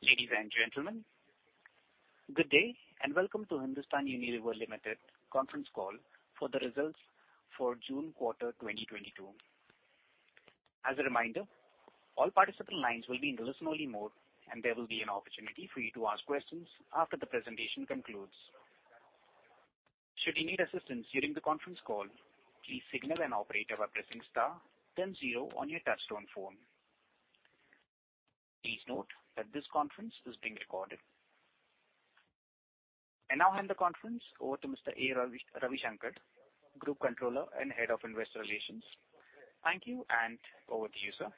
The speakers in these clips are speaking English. Ladies and gentlemen, good day, and welcome to Hindustan Unilever Limited conference call for the results for June quarter 2022. As a reminder, all participant lines will be in listen only mode, and there will be an opportunity for you to ask questions after the presentation concludes. Should you need assistance during the conference call, please signal an operator by pressing star then zero on your touchtone phone. Please note that this conference is being recorded. I now hand the conference over to Mr. A. Ravishankar, Group Controller and Head of Investor Relations. Thank you, and over to you, sir.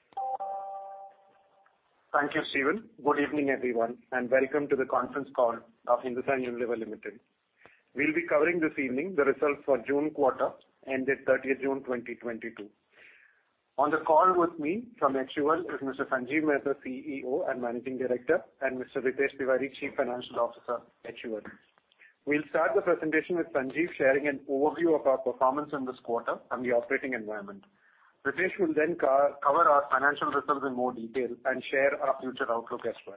Thank you, Steven. Good evening, everyone, and welcome to the conference call of Hindustan Unilever Limited. We'll be covering this evening the results for June quarter, ended 30th June 2022. On the call with me from HUL is Mr. Sanjiv Mehta, CEO and Managing Director, and Mr. Ritesh Tiwari, Chief Financial Officer, HUL. We'll start the presentation with Sanjiv sharing an overview of our performance in this quarter and the operating environment. Ritesh will then cover our financial results in more detail and share our future outlook as well.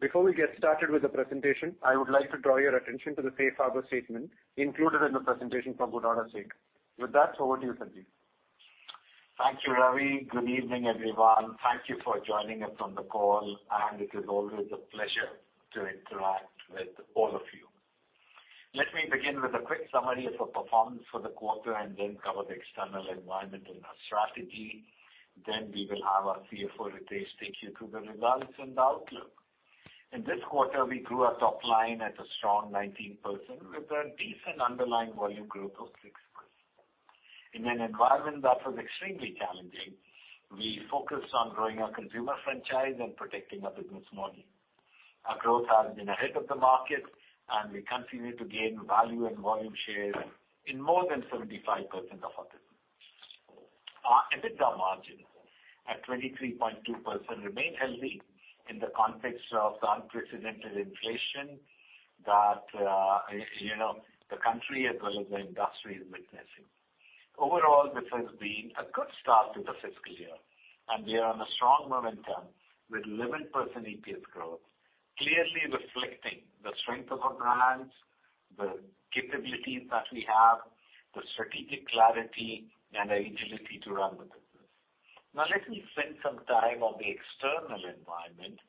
Before we get started with the presentation, I would like to draw your attention to the safe harbor statement included in the presentation for good order's sake. With that, over to you, Sanjiv. Thank you, Ravi. Good evening, everyone. Thank you for joining us on the call, and it is always a pleasure to interact with all of you. Let me begin with a quick summary of our performance for the quarter and then cover the external environment and our strategy. Then we will have our CFO, Ritesh, take you through the results and outlook. In this quarter, we grew our top line at a strong 19% with a decent underlying volume growth of 6%. In an environment that was extremely challenging, we focused on growing our consumer franchise and protecting our business model. Our growth has been ahead of the market, and we continue to gain value and volume share in more than 75% of our business. Our EBITDA margin at 23.2% remain healthy in the context of the unprecedented inflation that the country as well as the industry is witnessing. Overall, this has been a good start to the fiscal year, and we are on a strong momentum with 11% EPS growth, clearly reflecting the strength of our brands, the capabilities that we have, the strategic clarity and the agility to run the business. Now let me spend some time on the external environment,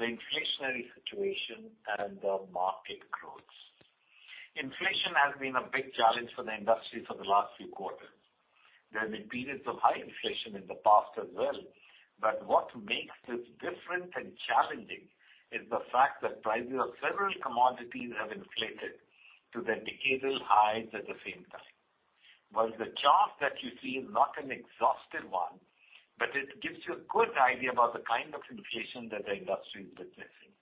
the inflationary situation and the market growth. Inflation has been a big challenge for the industry for the last few quarters. There have been periods of high inflation in the past as well, but what makes this different and challenging is the fact that prices of several commodities have inflated to the decadal highs at the same time. While the chart that you see is not an exhaustive one, but it gives you a good idea about the kind of inflation that the industry is witnessing.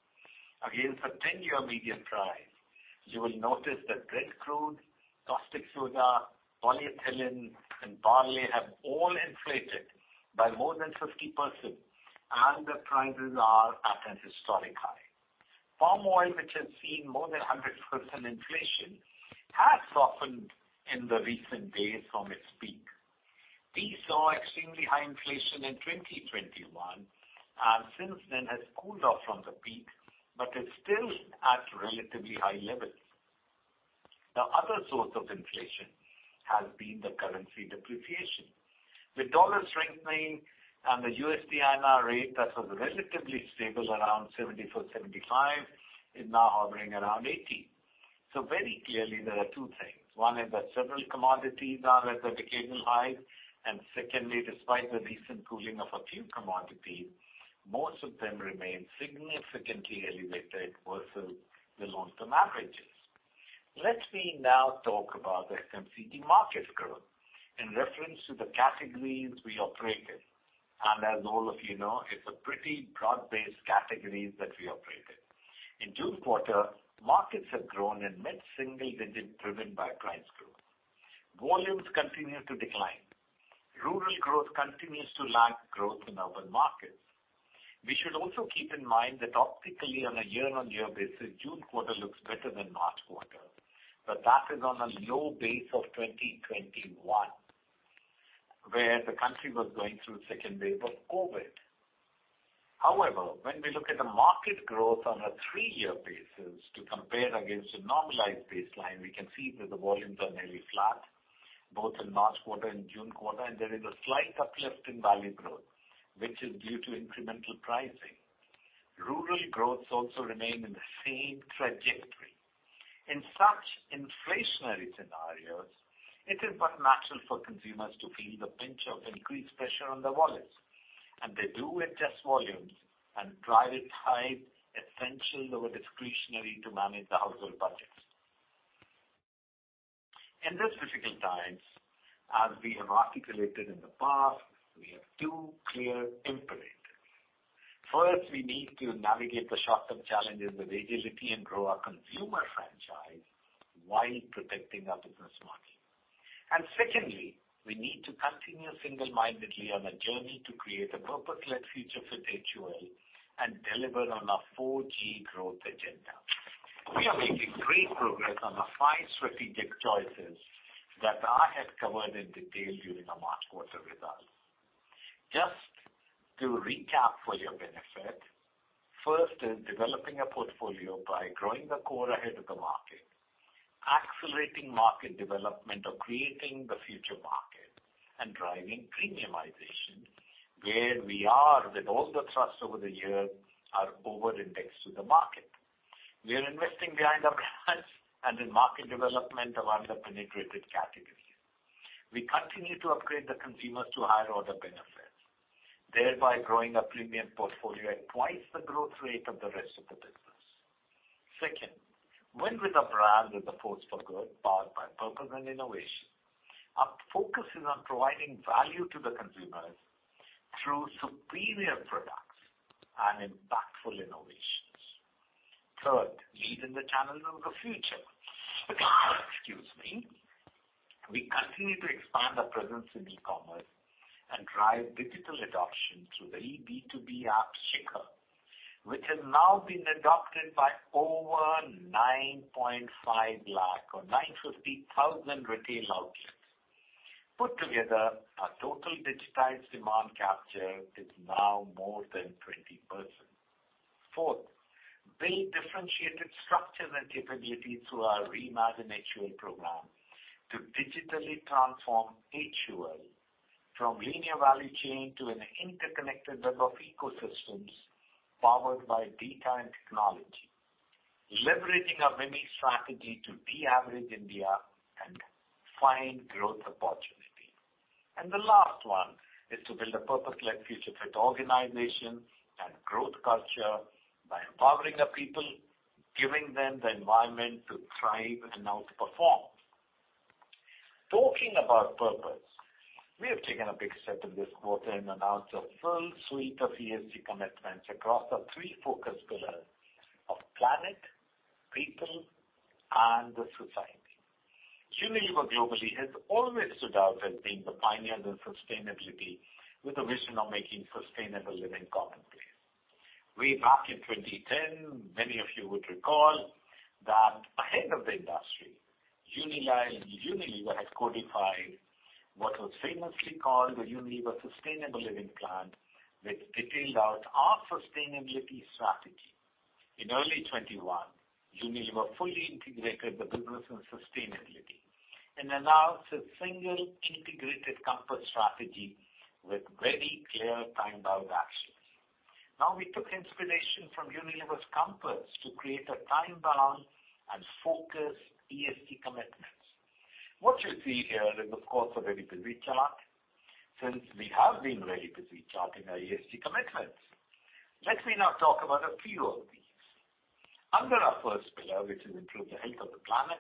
Again, for ten-year median price, you will notice that Brent crude, caustic soda, polyethylene and barley have all inflated by more than 50%, and the prices are at an historic high. Palm oil, which has seen more than 100% inflation, has softened in the recent days from its peak. These saw extremely high inflation in 2021, and since then has cooled off from the peak, but is still at relatively high levels. The other source of inflation has been the currency depreciation. The dollar strengthening and the USD INR rate that was relatively stable around 74, 75 is now hovering around 80. Very clearly there are two things. One is that several commodities are at the decadal high. Secondly, despite the recent cooling of a few commodities, most of them remain significantly elevated versus the long-term averages. Let me now talk about the FMCG market growth in reference to the categories we operate in. As all of you know, it's a pretty broad-based categories that we operate in. In June quarter, markets have grown in mid-single digit, driven by price growth. Volumes continue to decline. Rural growth continues to lag growth in urban markets. We should also keep in mind that optically, on a year-on-year basis, June quarter looks better than March quarter, but that is on a low base of 2021, where the country was going through second wave of COVID. However, when we look at the market growth on a three-year basis to compare against a normalized baseline, we can see that the volumes are nearly flat, both in March quarter and June quarter. There is a slight uplift in value growth, which is due to incremental pricing. Rural growth also remain in the same trajectory. In such inflationary scenarios, it is but natural for consumers to feel the pinch of increased pressure on their wallets, and they do adjust volumes and drive a tide, essential over discretionary, to manage the household budgets. In this difficult times, as we have articulated in the past, we have two clear imperatives. First, we need to navigate the short-term challenges with agility and grow our consumer franchise while protecting our business model. Secondly, we need to continue single-mindedly on a journey to create a purpose-led future for HUL. Deliver on our 4G growth agenda. We are making great progress on the five strategic choices that I had covered in detail during the March quarter results. Just to recap for your benefit. First is developing a portfolio by growing the core ahead of the market, accelerating market development or creating the future market and driving premiumization where we are with all the thrusts over the years are over-indexed to the market. We are investing behind our brands and in market development of under-penetrated categories. We continue to upgrade the consumers to higher order benefits, thereby growing a premium portfolio at twice the growth rate of the rest of the business. Second, win with a brand with a force for good, powered by purpose and innovation. Our focus is on providing value to the consumers through superior products and impactful innovations. Third, leading the channels of the future. Excuse me. We continue to expand our presence in e-commerce and drive digital adoption through the B2B app, Shikhar, which has now been adopted by over 9.5 lakh or 950,000 retail outlets. Put together, our total digitized demand capture is now more than 20%. Fourth, build differentiated structures and capabilities through our Reimagine HUL program to digitally transform HUL from linear value chain to an interconnected web of ecosystems powered by data and technology, leveraging our winning strategy to de-average India and find growth opportunity. The last one is to build a purpose-led future fit organization and growth culture by empowering our people, giving them the environment to thrive and outperform. Talking about purpose, we have taken a big step in this quarter and announced a full suite of ESG commitments across our three focus pillars of planet, people, and society. Unilever globally has always stood out as being the pioneer in sustainability with a vision of making sustainable living commonplace. Way back in 2010, many of you would recall that ahead of the industry, Unilever had codified what was famously called the Unilever Sustainable Living Plan, which detailed out our sustainability strategy. In early 2021, Unilever fully integrated the business in sustainability and announced a single integrated Compass strategy with very clear time-bound actions. Now we took inspiration from Unilever's Compass to create a time-bound and focused ESG commitments. What you see here is of course a ready-to-read chart since we have been ready-to-read chart in our ESG commitments. Let me now talk about a few of these. Under our first pillar, which is improve the health of the planet,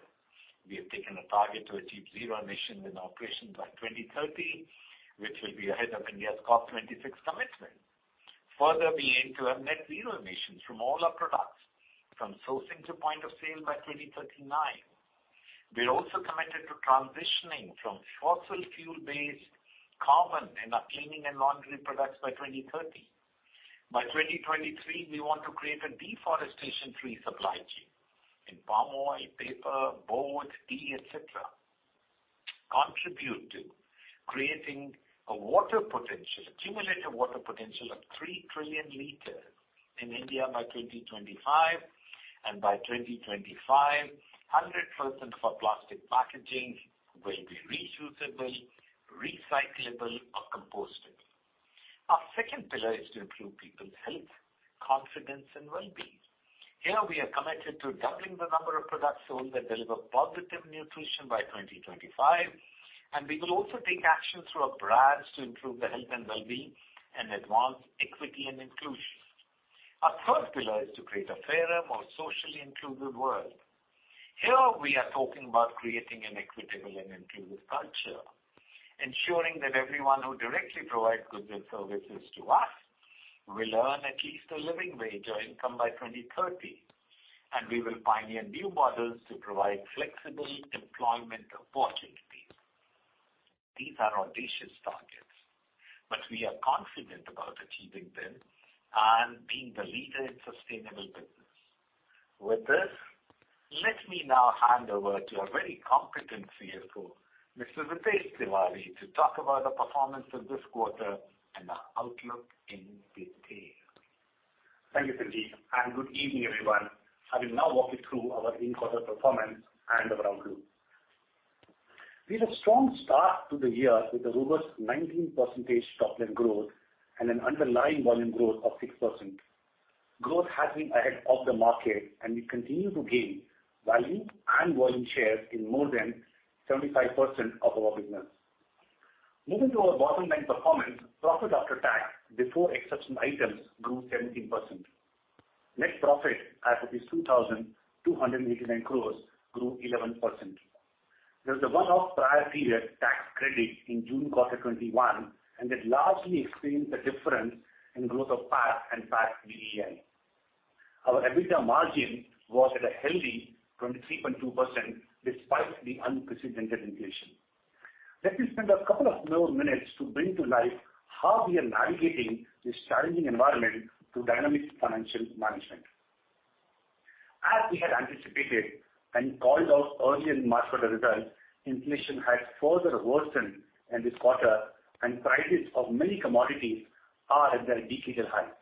we have taken a target to achieve zero emissions in operations by 2030, which will be ahead of India's COP26 commitment. Further, we aim to have net zero emissions from all our products from sourcing to point of sale by 2039. We are also committed to transitioning from fossil fuel-based carbon in our cleaning and laundry products by 2030. By 2023, we want to create a deforestation-free supply chain in palm oil, paper, board, tea, et cetera. Contribute to creating a water potential, cumulative water potential of 3 trillion L in India by 2025. By 2025, 100% of our plastic packaging will be reusable, recyclable or compostable. Our second pillar is to improve people's health, confidence and wellbeing. Here we are committed to doubling the number of products sold that deliver positive nutrition by 2025, and we will also take action through our brands to improve the health and wellbeing and advance equity and inclusion. Our third pillar is to create a fairer, more socially inclusive world. Here we are talking about creating an equitable and inclusive culture, ensuring that everyone who directly provides goods and services to us will earn at least a living wage or income by 2030, and we will pioneer new models to provide flexible employment opportunities. These are audacious targets, but we are confident about achieving them and being the leader in sustainable business. With this, let me now hand over to our very competent CFO, Mr. Ritesh Tiwari, to talk about the performance of this quarter and our outlook in detail. Thank you, Sanjiv, and good evening, everyone. I will now walk you through our in-quarter performance and our outlook. We had a strong start to the year with a robust 19% top-line growth and an underlying volume growth of 6%. Growth has been ahead of the market and we continue to gain value and volume shares in more than 75% of our business. Moving to our bottom-line performance, profit after tax before exceptional items grew 17%. Net profit at 2,289 crores grew 11%. There was a one-off prior period tax credit in June quarter 2021, and it largely explains the difference in growth of PAT and PAT bei. Our EBITDA margin was at a healthy 23.2% despite the unprecedented inflation. Let me spend a couple of more minutes to bring to life how we are navigating this challenging environment through dynamic financial management. As we had anticipated and called out early in March quarter results, inflation has further worsened in this quarter, and prices of many commodities are at their decadal highs.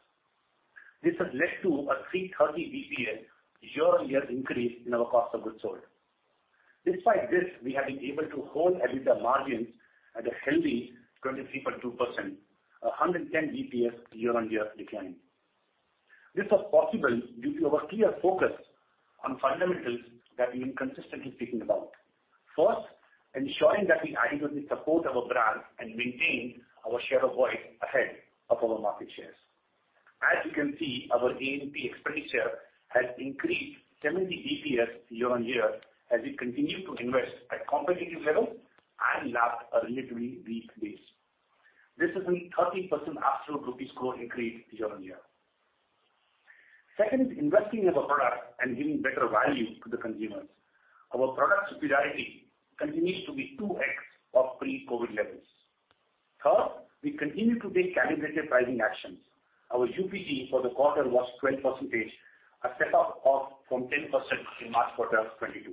This has led to a 330 bps year-on-year increase in our cost of goods sold. Despite this, we have been able to hold EBITDA margins at a healthy 23.2%, a 110 bps year-on-year decline. This was possible due to our clear focus on fundamentals that we've been consistently speaking about. First, ensuring that we always support our brand and maintain our share of voice ahead of our market shares. As you can see, our A&P expenditure has increased 70 bps year-on-year as we continue to invest at competitive levels and lap a relatively weak base. This is a 30% absolute rupees growth increase year-on-year. Second, investing in our product and giving better value to the consumers. Our product superiority continues to be 2x of pre-COVID levels. Third, we continue to take calibrated pricing actions. Our UPG for the quarter was 12%, a step up from 10% in March quarter 2022.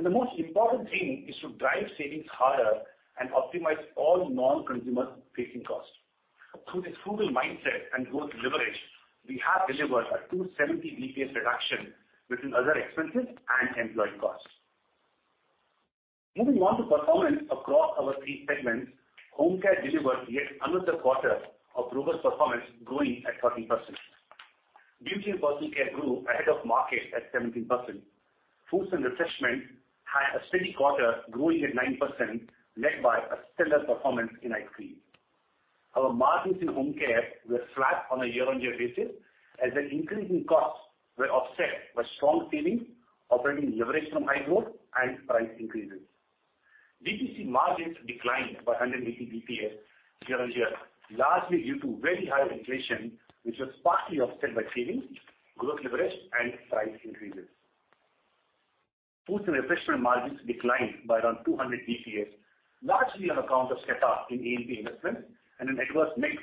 The most important thing is to drive savings harder and optimize all non-consumer-facing costs. Through this frugal mindset and growth leverage, we have delivered a 270 bps reduction between other expenses and employee costs. Moving on to performance across our three segments. Home Care delivered yet another quarter of robust performance, growing at 13%. Beauty and Personal Care grew ahead of market at 17%. Foods and Refreshment had a steady quarter, growing at 9%, led by a stellar performance in ice cream. Our margins in Home Care were flat on a year-on-year basis, as an increase in costs were offset by strong savings, operating leverage from high growth and price increases. BPC margins declined by 180 bps year-on-year, largely due to very high inflation, which was partly offset by savings, growth leverage and price increases. Foods and Refreshment margins declined by around 200 bps, largely on account of step up in A&P investment and an adverse mix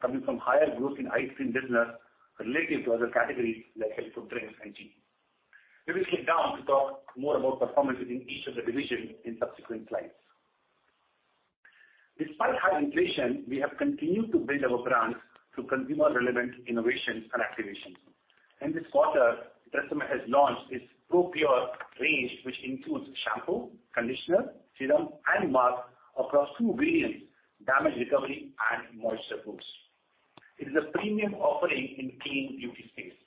coming from higher growth in ice cream business relative to other categories like healthful drinks and tea. We will sit down to talk more about performance within each of the divisions in subsequent slides. Despite high inflation, we have continued to build our brands through consumer relevant innovations and activations. In this quarter, TRESemmé has launched its Pro Pure range, which includes shampoo, conditioner, serum, and mask across two variants, damage recovery and moisture boost. It is a premium offering in clean beauty space.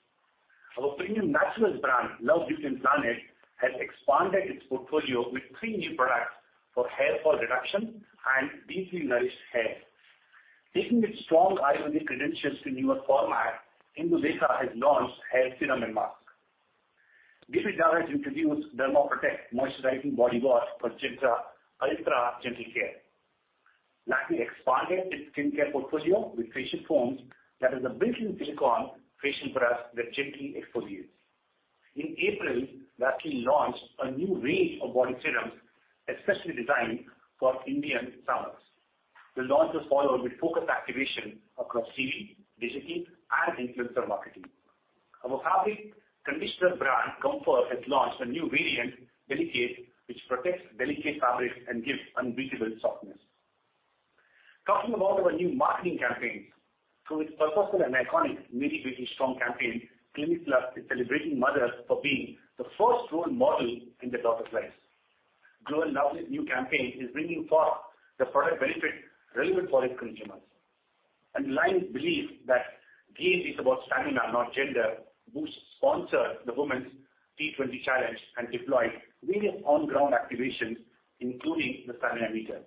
Our premium naturals brand, Love Beauty and Planet, has expanded its portfolio with three new products for hair fall reduction and deeply nourished hair. Taking its strong Ayurvedic credentials to newer format, Indulekha has launched hair serum and mask. Dove introduced Derma Protect Moisturizing Body Wash for ultra gentle care. Lakmé expanded its skincare portfolio with facial foams that has a built-in silicone facial brush that gently exfoliates. In April, Lakmé launched a new range of body serums especially designed for Indian summers. The launch was followed with focused activation across TV, digital, and influencer marketing. Our fabric conditioner brand, Comfort, has launched a new variant, Delicate, which protects delicate fabrics and gives unbeatable softness. Talking about our new marketing campaigns. Through its purposeful and iconic MeriBetiStrong campaign, Clinic Plus is celebrating mothers for being the first role model in their daughter's lives. Dove's new campaign is bringing forth the product benefit relevant for its consumers. Underlining its belief that game is about stamina, not gender, Boost sponsored the women's T20 challenge and deployed various on-ground activations, including the stamina meter.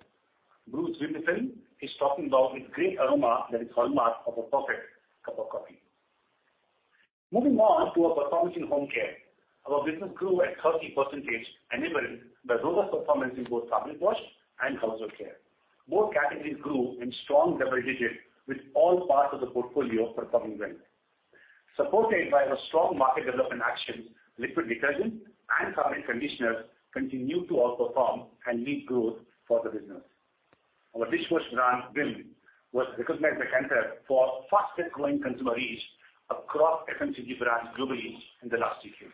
Bru's WIMI film is talking about its great aroma that is hallmark of a perfect cup of coffee. Moving on to our performance in Home Care. Our business grew at 30%, enabled by robust performance in both fabric wash and household care. Both categories grew in strong double digits with all parts of the portfolio performing well. Supported by our strong market development actions, liquid detergent and fabric conditioners continued to outperform and lead growth for the business. Our dishwash brand, Vim, was recognized by Kantar for fastest growing consumer reach across FMCG brands globally in the last quarter.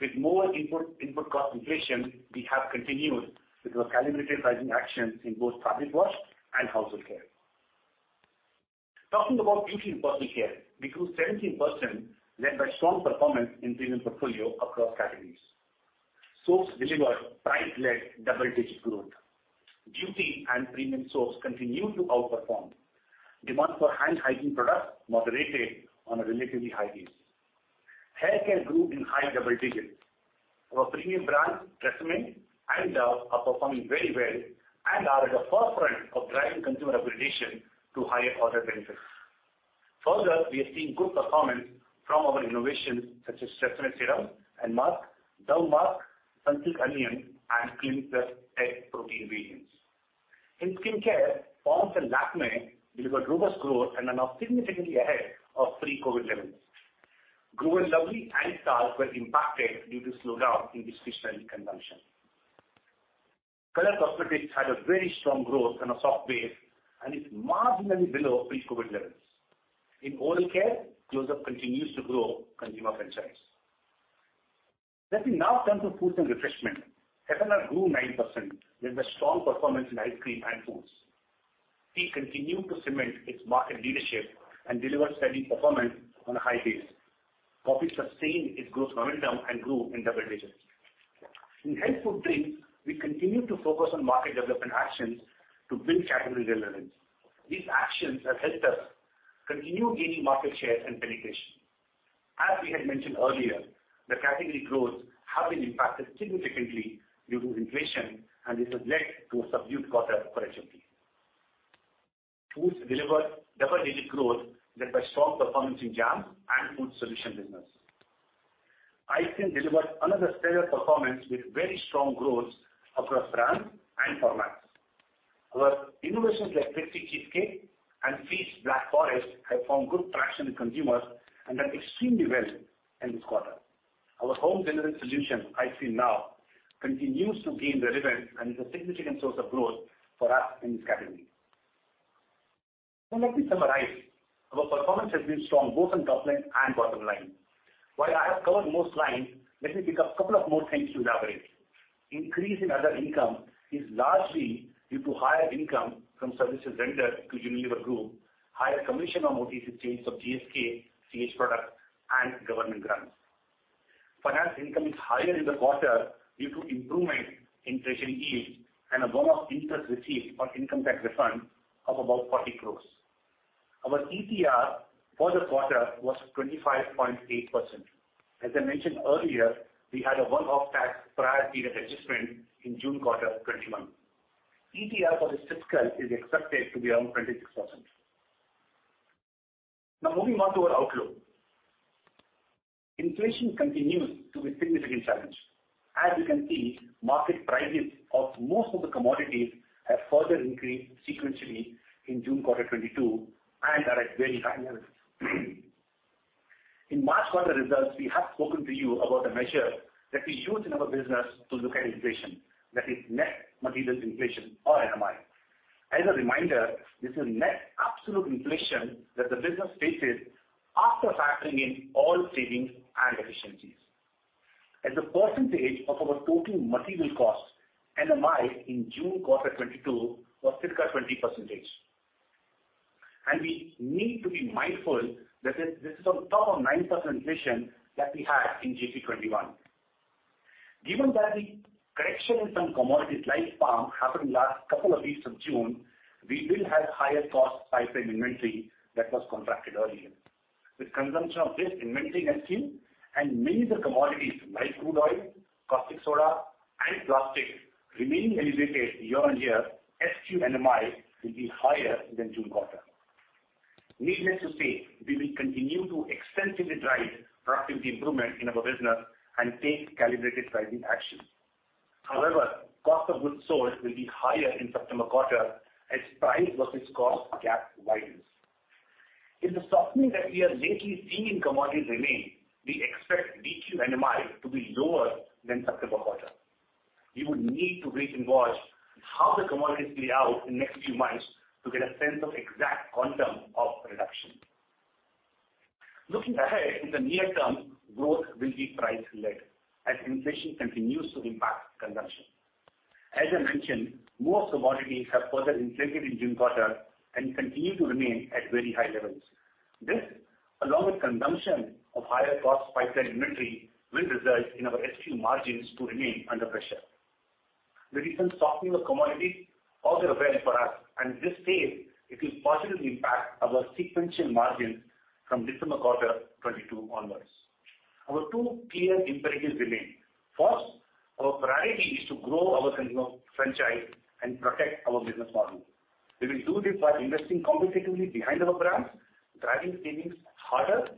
With more input cost inflation, we have continued with our calibrated pricing actions in both fabric wash and household care. Talking about Beauty and Personal Care. We grew 17%, led by strong performance in premium portfolio across categories. Soaps delivered price-led double-digit growth. Duty and premium soaps continued to outperform. Demand for hand hygiene products moderated on a relatively high base. Hair care grew in high double digits. Our premium brands, TRESemmé and Dove, are performing very well and are at the forefront of driving consumer upgradation to higher order benefits. Further, we are seeing good performance from our innovations such as TRESemmé serum and mask, Dove mask, Sunsilk Onion, and Clinic Plus egg protein variants. In skincare, Pond's and Lakmé delivered robust growth and are now significantly ahead of pre-COVID levels. Glow & Lovely and Talc were impacted due to slowdown in discretionary consumption. Color cosmetics had a very strong growth on a soft base and is marginally below pre-COVID levels. In oral care, Close-Up continues to grow consumer franchise. Let me now turn to Foods and Refreshment. F&R grew 9% with a strong performance in ice cream and foods. Tea continued to cement its market leadership and deliver steady performance on a high base. Coffee sustained its growth momentum and grew in double digits. In health food drink, we continued to focus on market development actions to build category relevance. These actions have helped us continue gaining market share and penetration. As we had mentioned earlier, the category growth have been impacted significantly due to inflation, and this has led to a subdued quarter for HFD. Foods delivered double-digit growth led by strong performance in jam and food solution business. ice cream delivered another stellar performance with very strong growth across brands and formats. Our innovations like Trixy Cheesecake and Feast Black Forest have found good traction with consumers and done extremely well in this quarter. Our home delivery solution, ICNow, continues to gain relevance and is a significant source of growth for us in this category. Let me summarize. Our performance has been strong both on top line and bottom line. While I have covered most lines, let me pick up couple of more things to elaborate. Increase in other income is largely due to higher income from services rendered to Unilever Group, higher commission on OTC chains of GSK CH products, and government grants. Finance income is higher in the quarter due to improvement in treasury yield and a one-off interest received on income tax refund of about 40 crore. Our ETR for the quarter was 25.8%. As I mentioned earlier, we had a one-off tax prior period adjustment in June quarter 2021. ETR for this fiscal is expected to be around 26%. Now moving on to our outlook. Inflation continues to be a significant challenge. As you can see, market prices of most of the commodities have further increased sequentially in June quarter 2022 and are at very high levels. In March quarter results, we have spoken to you about the measure that we use in our business to look at inflation. That is net materials inflation or NMI. As a reminder, this is net absolute inflation that the business faces after factoring in all savings and efficiencies. As a percentage of our total material costs, NMI in June quarter 2022 was circa 20%. We need to be mindful that this is on top of 9% inflation that we had in GP 2021. Given that the correction in some commodities like palm happened last couple of weeks of June, we will have higher cost pipeline inventory that was contracted earlier. With consumption of this inventory ending and many of the commodities like crude oil, caustic soda and plastic remaining elevated year-on-year, SQ NMI will be higher than June quarter. Needless to say, we will continue to extensively drive productivity improvement in our business and take calibrated pricing actions. However, cost of goods sold will be higher in September quarter as price versus cost gap widens. If the softening that we are lately seeing in commodities remain, we expect DQ NMI to be lower than September quarter. We would need to wait and watch how the commodities play out in next few months to get a sense of exact quantum of reduction. Looking ahead, in the near term, growth will be price-led as inflation continues to impact consumption. As I mentioned, most commodities have further inflated in June quarter and continue to remain at very high levels. This, along with consumption of higher cost pipeline inventory, will result in our SQ margins to remain under pressure. The recent softening of commodities also benefits us, and in this phase, it will positively impact our sequential margins from December quarter 2022 onwards. Our two clear imperatives remain. First, our priority is to grow our consumer franchise and protect our business model. We will do this by investing competitively behind our brands, driving savings harder,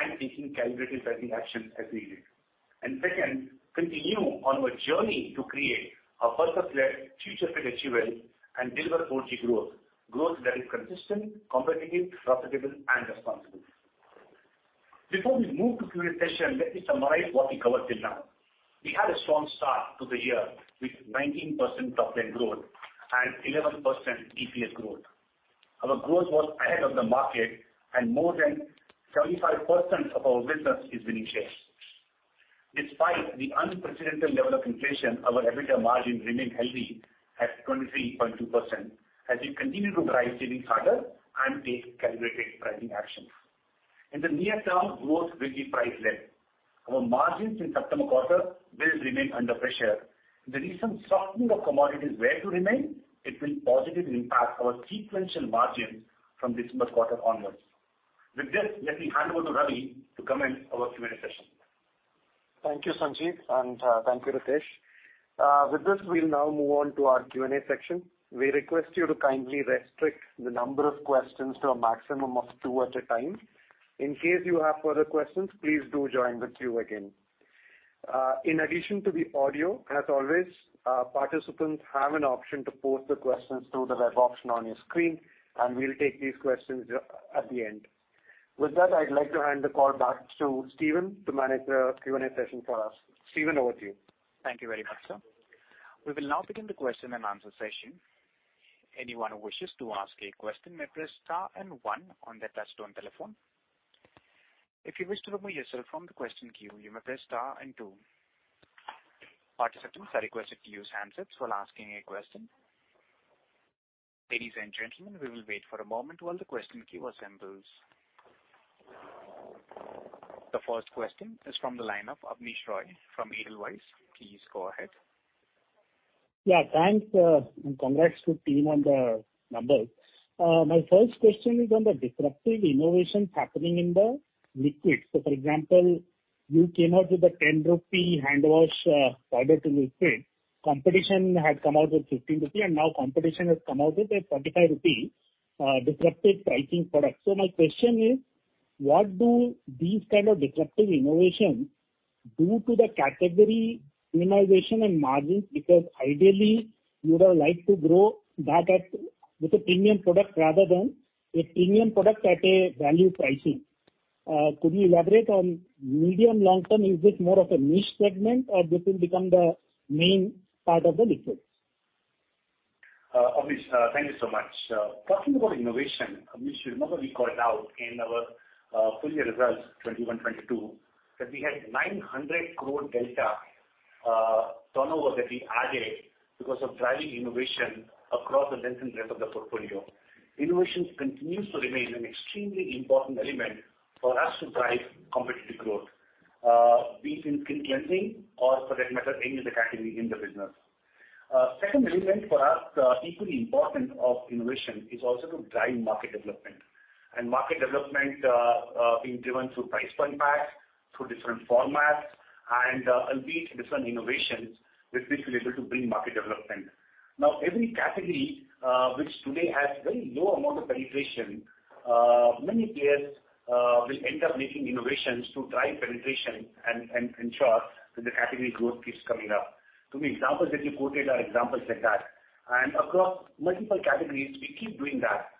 and taking calibrated pricing actions as needed. Second, continue on our journey to create a purpose-led future-fit HUL and deliver 4G growth that is consistent, competitive, profitable and responsible. Before we move to Q&A session, let me summarize what we covered till now. We had a strong start to the year with 19% top line growth and 11% EPS growth. Our growth was ahead of the market and more than 75% of our business is winning shares. Despite the unprecedented level of inflation, our EBITDA margin remained healthy at 23.2% as we continue to drive savings harder and take calibrated pricing actions. In the near term, growth will be price-led. Our margins in September quarter will remain under pressure. If the recent softening of commodities were to remain, it will positively impact our sequential margins from December quarter onwards. With this, let me hand over to Ravi to commence our Q&A session. Thank you, Sanjiv, and thank you, Ritesh. With this, we'll now move on to our Q&A section. We request you to kindly restrict the number of questions to a maximum of two at a time. In case you have further questions, please do join the queue again. In addition to the audio, as always, participants have an option to pose the questions through the web option on your screen, and we'll take these questions at the end. With that, I'd like to hand the call back to Steven to manage the Q&A session for us. Steven, over to you. Thank you very much, sir. We will now begin the question-and-answer session. Anyone who wishes to ask a question may press star and one on their touch-tone telephone. If you wish to remove yourself from the question queue, you may press star and two. Participants are requested to use handsets while asking a question. Ladies and gentlemen, we will wait for a moment while the question queue assembles. The first question is from the line of Abneesh Roy from Edelweiss. Please go ahead. Yeah, thanks, and congrats to team on the numbers. My first question is on the disruptive innovation happening in the liquids. So, for example, you came out with a 10 rupee hand wash, powder to liquid. Competition had come out with 15 rupee, and now competition has come out with a 25 rupee disruptive pricing product. So my question is: What do these kind of disruptive innovations do to the category innovation and margins? Because ideally, you would have liked to grow that at with a premium product rather than a premium product at a value pricing. Could you elaborate on medium long term, is this more of a niche segment or this will become the main part of the liquids? Abneesh, thank you so much. Talking about innovation, Abneesh, you remember we called out in our full year results 2021, 2022, that we had 900 crore delta turnover that we added because of driving innovation across the length and breadth of the portfolio. Innovation continues to remain an extremely important element for us to drive competitive growth, be it in skin cleansing or for that matter, any other category in the business. Second element for us, equally important of innovation is also to drive market development. Market development being driven through price point packs, through different formats and indeed different innovations which will be able to bring market development. Now, every category, which today has very low amount of penetration, many players, will end up making innovations to drive penetration and ensure that the category growth keeps coming up. The examples that you quoted are examples like that. Across multiple categories, we keep doing that.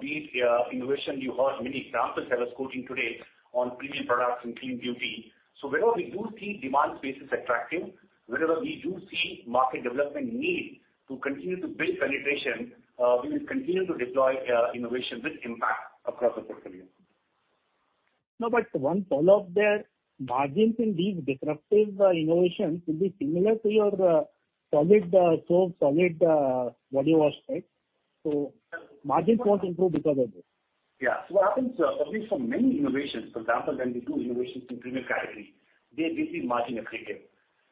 Be it, innovation, you heard many examples I was quoting today on premium products and clean beauty. Wherever we do see demand spaces attractive, wherever we do see market development need to continue to build penetration, we will continue to deploy, innovation with impact across the portfolio. No, one follow-up there. Margins in these disruptive innovations will be similar to your solid body wash, right? Margins won't improve because of this. Yeah. What happens, Abneesh, for many innovations, for example, when we do innovations in premium category, we see margin accretion.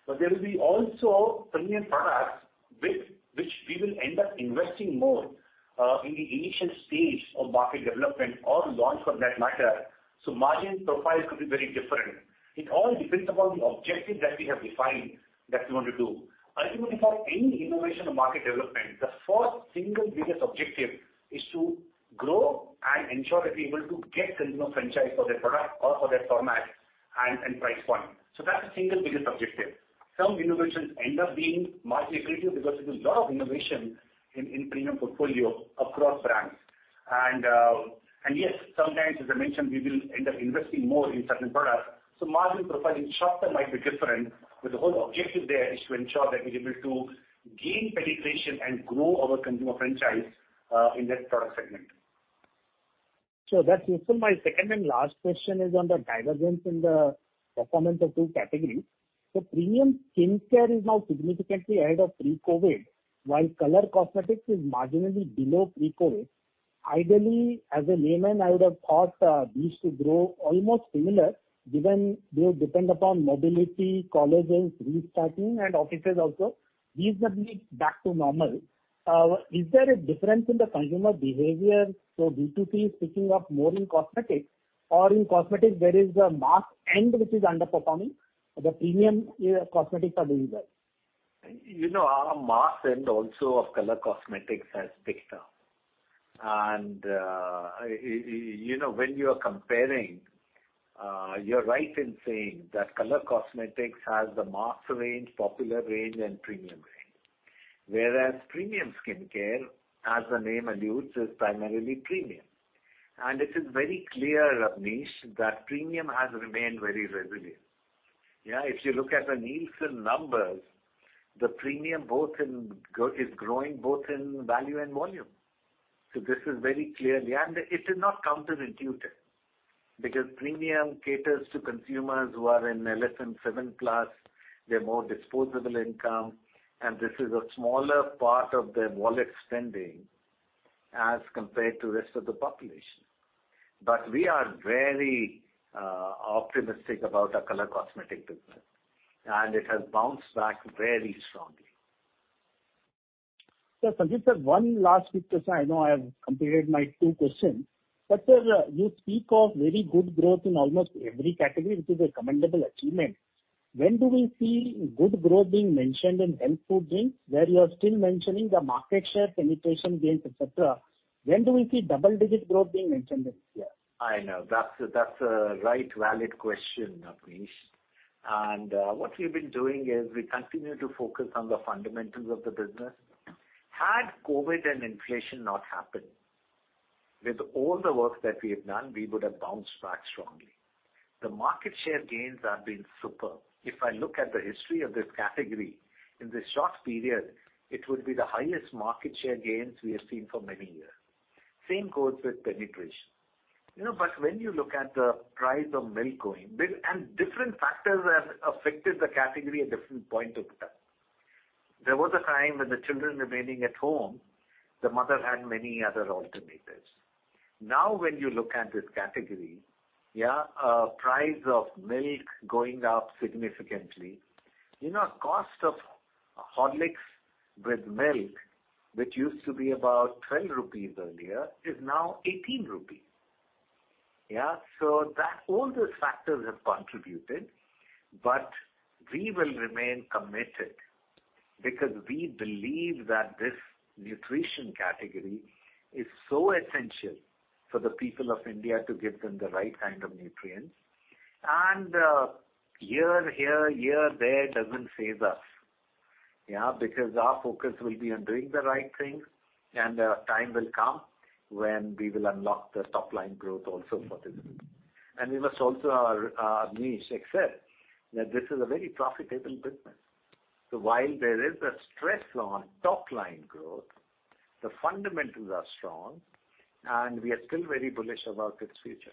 There will be also premium products with which we will end up investing more in the initial stage of market development or launch for that matter. Margin profiles could be very different. It all depends upon the objective that we have defined that we want to do. Ultimately, for any innovation or market development, the first single biggest objective is to grow and ensure that we're able to get consumer franchise for that product or for that format and price point. That's the single biggest objective. Some innovations end up being margin accretive because there's a lot of innovation in premium portfolio across brands. Yes, sometimes, as I mentioned, we will end up investing more in certain products. Margin profile in short term might be different, but the whole objective there is to ensure that we're able to gain penetration and grow our consumer franchise in that product segment. That's useful. My second and last question is on the divergence in the performance of two categories. Premium skincare is now significantly ahead of pre-COVID, while color cosmetics is marginally below pre-COVID. Ideally, as a layman, I would have thought, these should grow almost similar, given they would depend upon mobility, colleges restarting and offices also. These are being back to normal. Is there a difference in the consumer behavior? D2C is picking up more in cosmetics or in cosmetics there is a mass end which is underperforming, the premium, cosmetics are doing well? You know, our mass end also of color cosmetics has picked up. You know, when you are comparing, you're right in saying that color cosmetics has the mass range, popular range and premium range. Whereas premium skincare, as the name alludes, is primarily premium. It is very clear, Abneesh, that premium has remained very resilient. Yeah, if you look at the Nielsen numbers, the premium is growing both in value and volume. This is very clear. It is not counterintuitive because premium caters to consumers who are in the top 7%. They have more disposable income, and this is a smaller part of their wallet spending as compared to rest of the population. We are very optimistic about our color cosmetic business, and it has bounced back very strongly. Sir, Sanjiv sir, one last quick question. I know I have completed my two questions. Sir, you speak of very good growth in almost every category, which is a commendable achievement. When do we see good growth being mentioned in health food drinks, where you are still mentioning the market share penetration gains, et cetera? When do we see double-digit growth being maintained this year? I know that's a right valid question, Abneesh. What we've been doing is we continue to focus on the fundamentals of the business. Had COVID and inflation not happened, with all the work that we have done, we would have bounced back strongly. The market share gains have been superb. If I look at the history of this category in this short period, it would be the highest market share gains we have seen for many years. Same goes with penetration. You know, but when you look at the price of milk going up significantly. Different factors have affected the category at different point of time. There was a time when the children remaining at home, the mother had many other alternatives. Now, when you look at this category, price of milk going up significantly. You know, cost of Horlicks with milk, which used to be about 12 rupees earlier, is now 18 rupees, yeah? That all those factors have contributed. We will remain committed, because we believe that this nutrition category is so essential for the people of India to give them the right kind of nutrients. Year here, year there doesn't faze us, yeah? Because our focus will be on doing the right things, and time will come when we will unlock the top line growth also for this. We must also, Abneesh, accept that this is a very profitable business. While there is a stress on top line growth, the fundamentals are strong, and we are still very bullish about its future.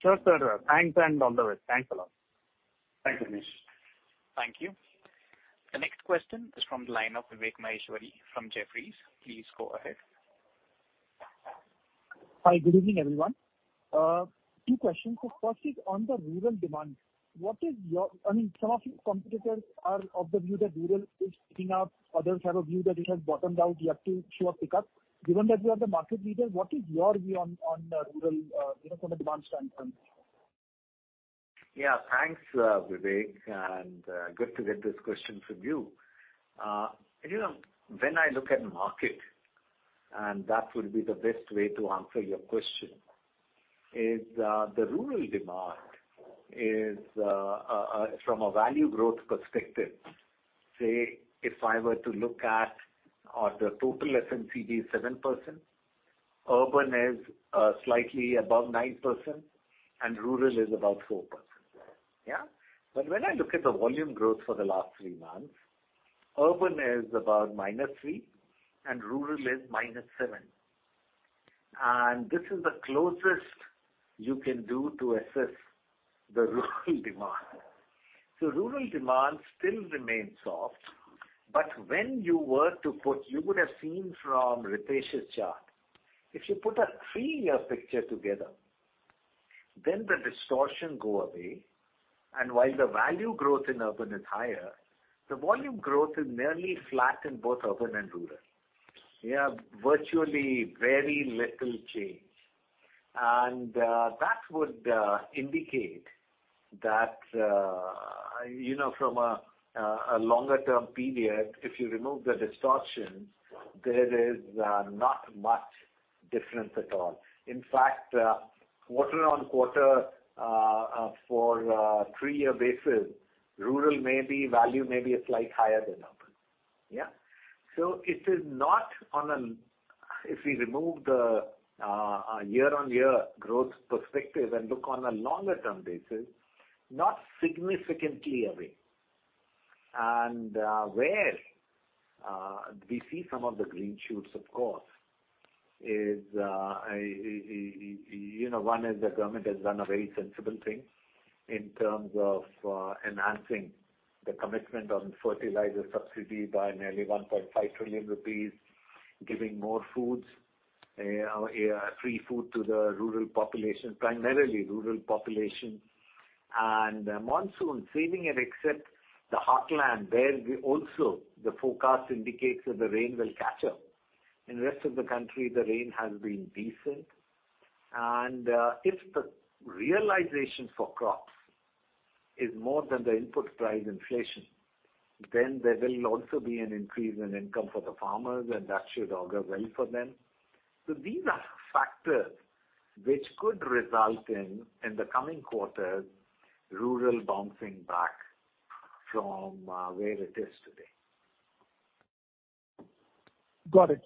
Sure, sure. Thanks. All the best. Thanks a lot. Thanks, Abneesh. Thank you. The next question is from the line of Vivek Maheshwari from Jefferies. Please go ahead. Hi, good evening, everyone. Two questions. First is on the rural demand. I mean, some of your competitors are of the view that rural is picking up. Others have a view that it has bottomed out, yet to show a pickup. Given that you are the market leader, what is your view on rural, from a demand standpoint? Yeah, thanks, Vivek, and good to get this question from you. You know, when I look at market, and that would be the best way to answer your question, is the rural demand from a value growth perspective, say if I were to look at the total FMCG is 7%, urban is slightly above 9% and rural is about 4%. Yeah. When I look at the volume growth for the last three months, urban is about -3% and rural is -7%. This is the closest you can do to assess the rural demand. Rural demand still remains soft. You would have seen from Ritesh's chart, if you put a three-year picture together, then the distortion go away. While the value growth in urban is higher, the volume growth is nearly flat in both urban and rural. Yeah, virtually very little change. That would indicate that you know, from a longer term period, if you remove the distortion, there is not much difference at all. In fact, quarter-on-quarter, for a three-year basis, rural may be, value may be a slight higher than urban. Yeah. If we remove the year-on-year growth perspective and look on a longer term basis, not significantly away. Where we see some of the green shoots, of course, is, you know, one is the government has done a very sensible thing in terms of enhancing the commitment on fertilizer subsidy by nearly 1.5 trillion rupees, giving free food to the rural population, primarily rural population. The monsoon has been satisfactory, except the heartland, where the forecast also indicates that the rain will catch up. In the rest of the country, the rain has been decent. If the realization for crops is more than the input price inflation, then there will also be an increase in income for the farmers, and that should augur well for them. These are factors which could result in the coming quarters, rural bouncing back from where it is today. Got it.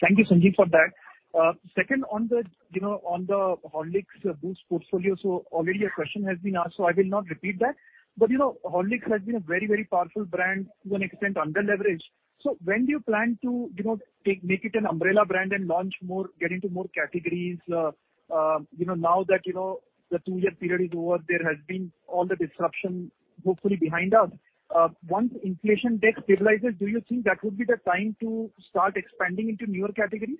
Thank you, Sanjiv, for that. Second, on the Horlicks, Boost portfolio. Already a question has been asked, so I will not repeat that. You know, Horlicks has been a very, very powerful brand, to an extent underleveraged. When do you plan to make it an umbrella brand and launch more, get into more categories? You know, now that the two-year period is over, there has been all the disruption hopefully behind us. Once inflation deck stabilizes, do you think that would be the time to start expanding into newer categories?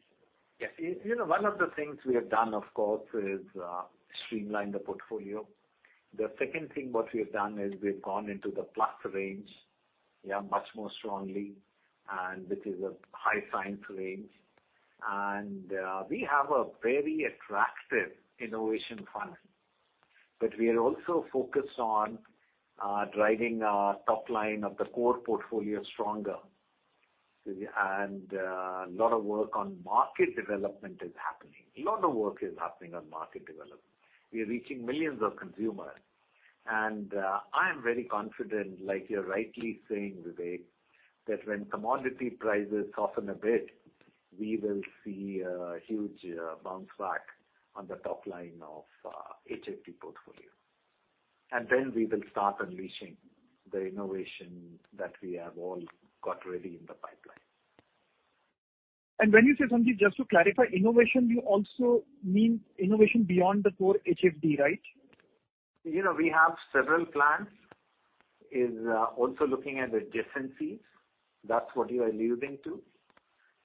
Yes. You know, one of the things we have done, of course, is streamline the portfolio. The second thing what we have done is we've gone into the plus range, yeah, much more strongly, and which is a high science range. We have a very attractive innovation funnel. We are also focused on driving our top line of the core portfolio stronger. A lot of work on market development is happening. We are reaching millions of consumers. I am very confident, like you're rightly saying, Vivek, that when commodity prices soften a bit, we will see a huge bounce back on the top line of HFD portfolio. Then we will start unleashing the innovation that we have all got ready in the pipeline. When you say, Sanjiv, just to clarify, innovation, you also mean innovation beyond the core HFD, right? You know, we have several plans also looking at the deficiencies. That's what you are alluding to.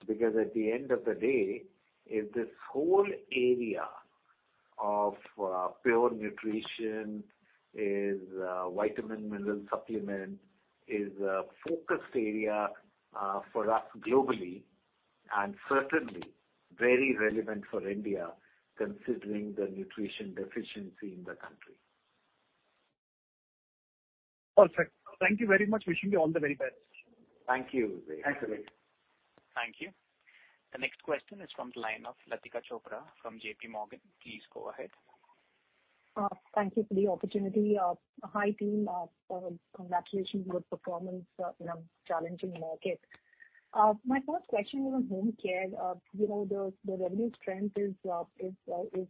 Because at the end of the day, if this whole area of pure nutrition, vitamin, mineral supplement, is a focused area for us globally, and certainly very relevant for India, considering the nutrition deficiency in the country. Perfect. Thank you very much. Wishing you all the very best. Thank you, Vivek. Thanks, Vivek. Thank you. The next question is from the line of Latika Chopra from JP Morgan. Please go ahead. Thank you for the opportunity. Hi, team. Congratulations on your performance in a challenging market. My first question was on Home Care. You know, the revenue strength is better, is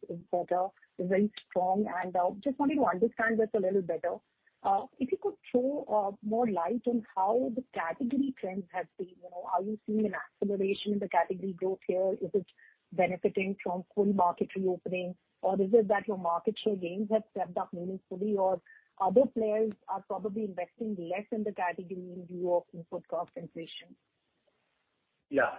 very strong. Just wanted to understand this a little better. If you could throw more light on how the category trends have been. You know, are you seeing an acceleration in the category growth here? Is it benefiting from full market reopening? Or is it that your market share gains have stepped up meaningfully, or other players are probably investing less in the category in view of input cost inflation? Yeah.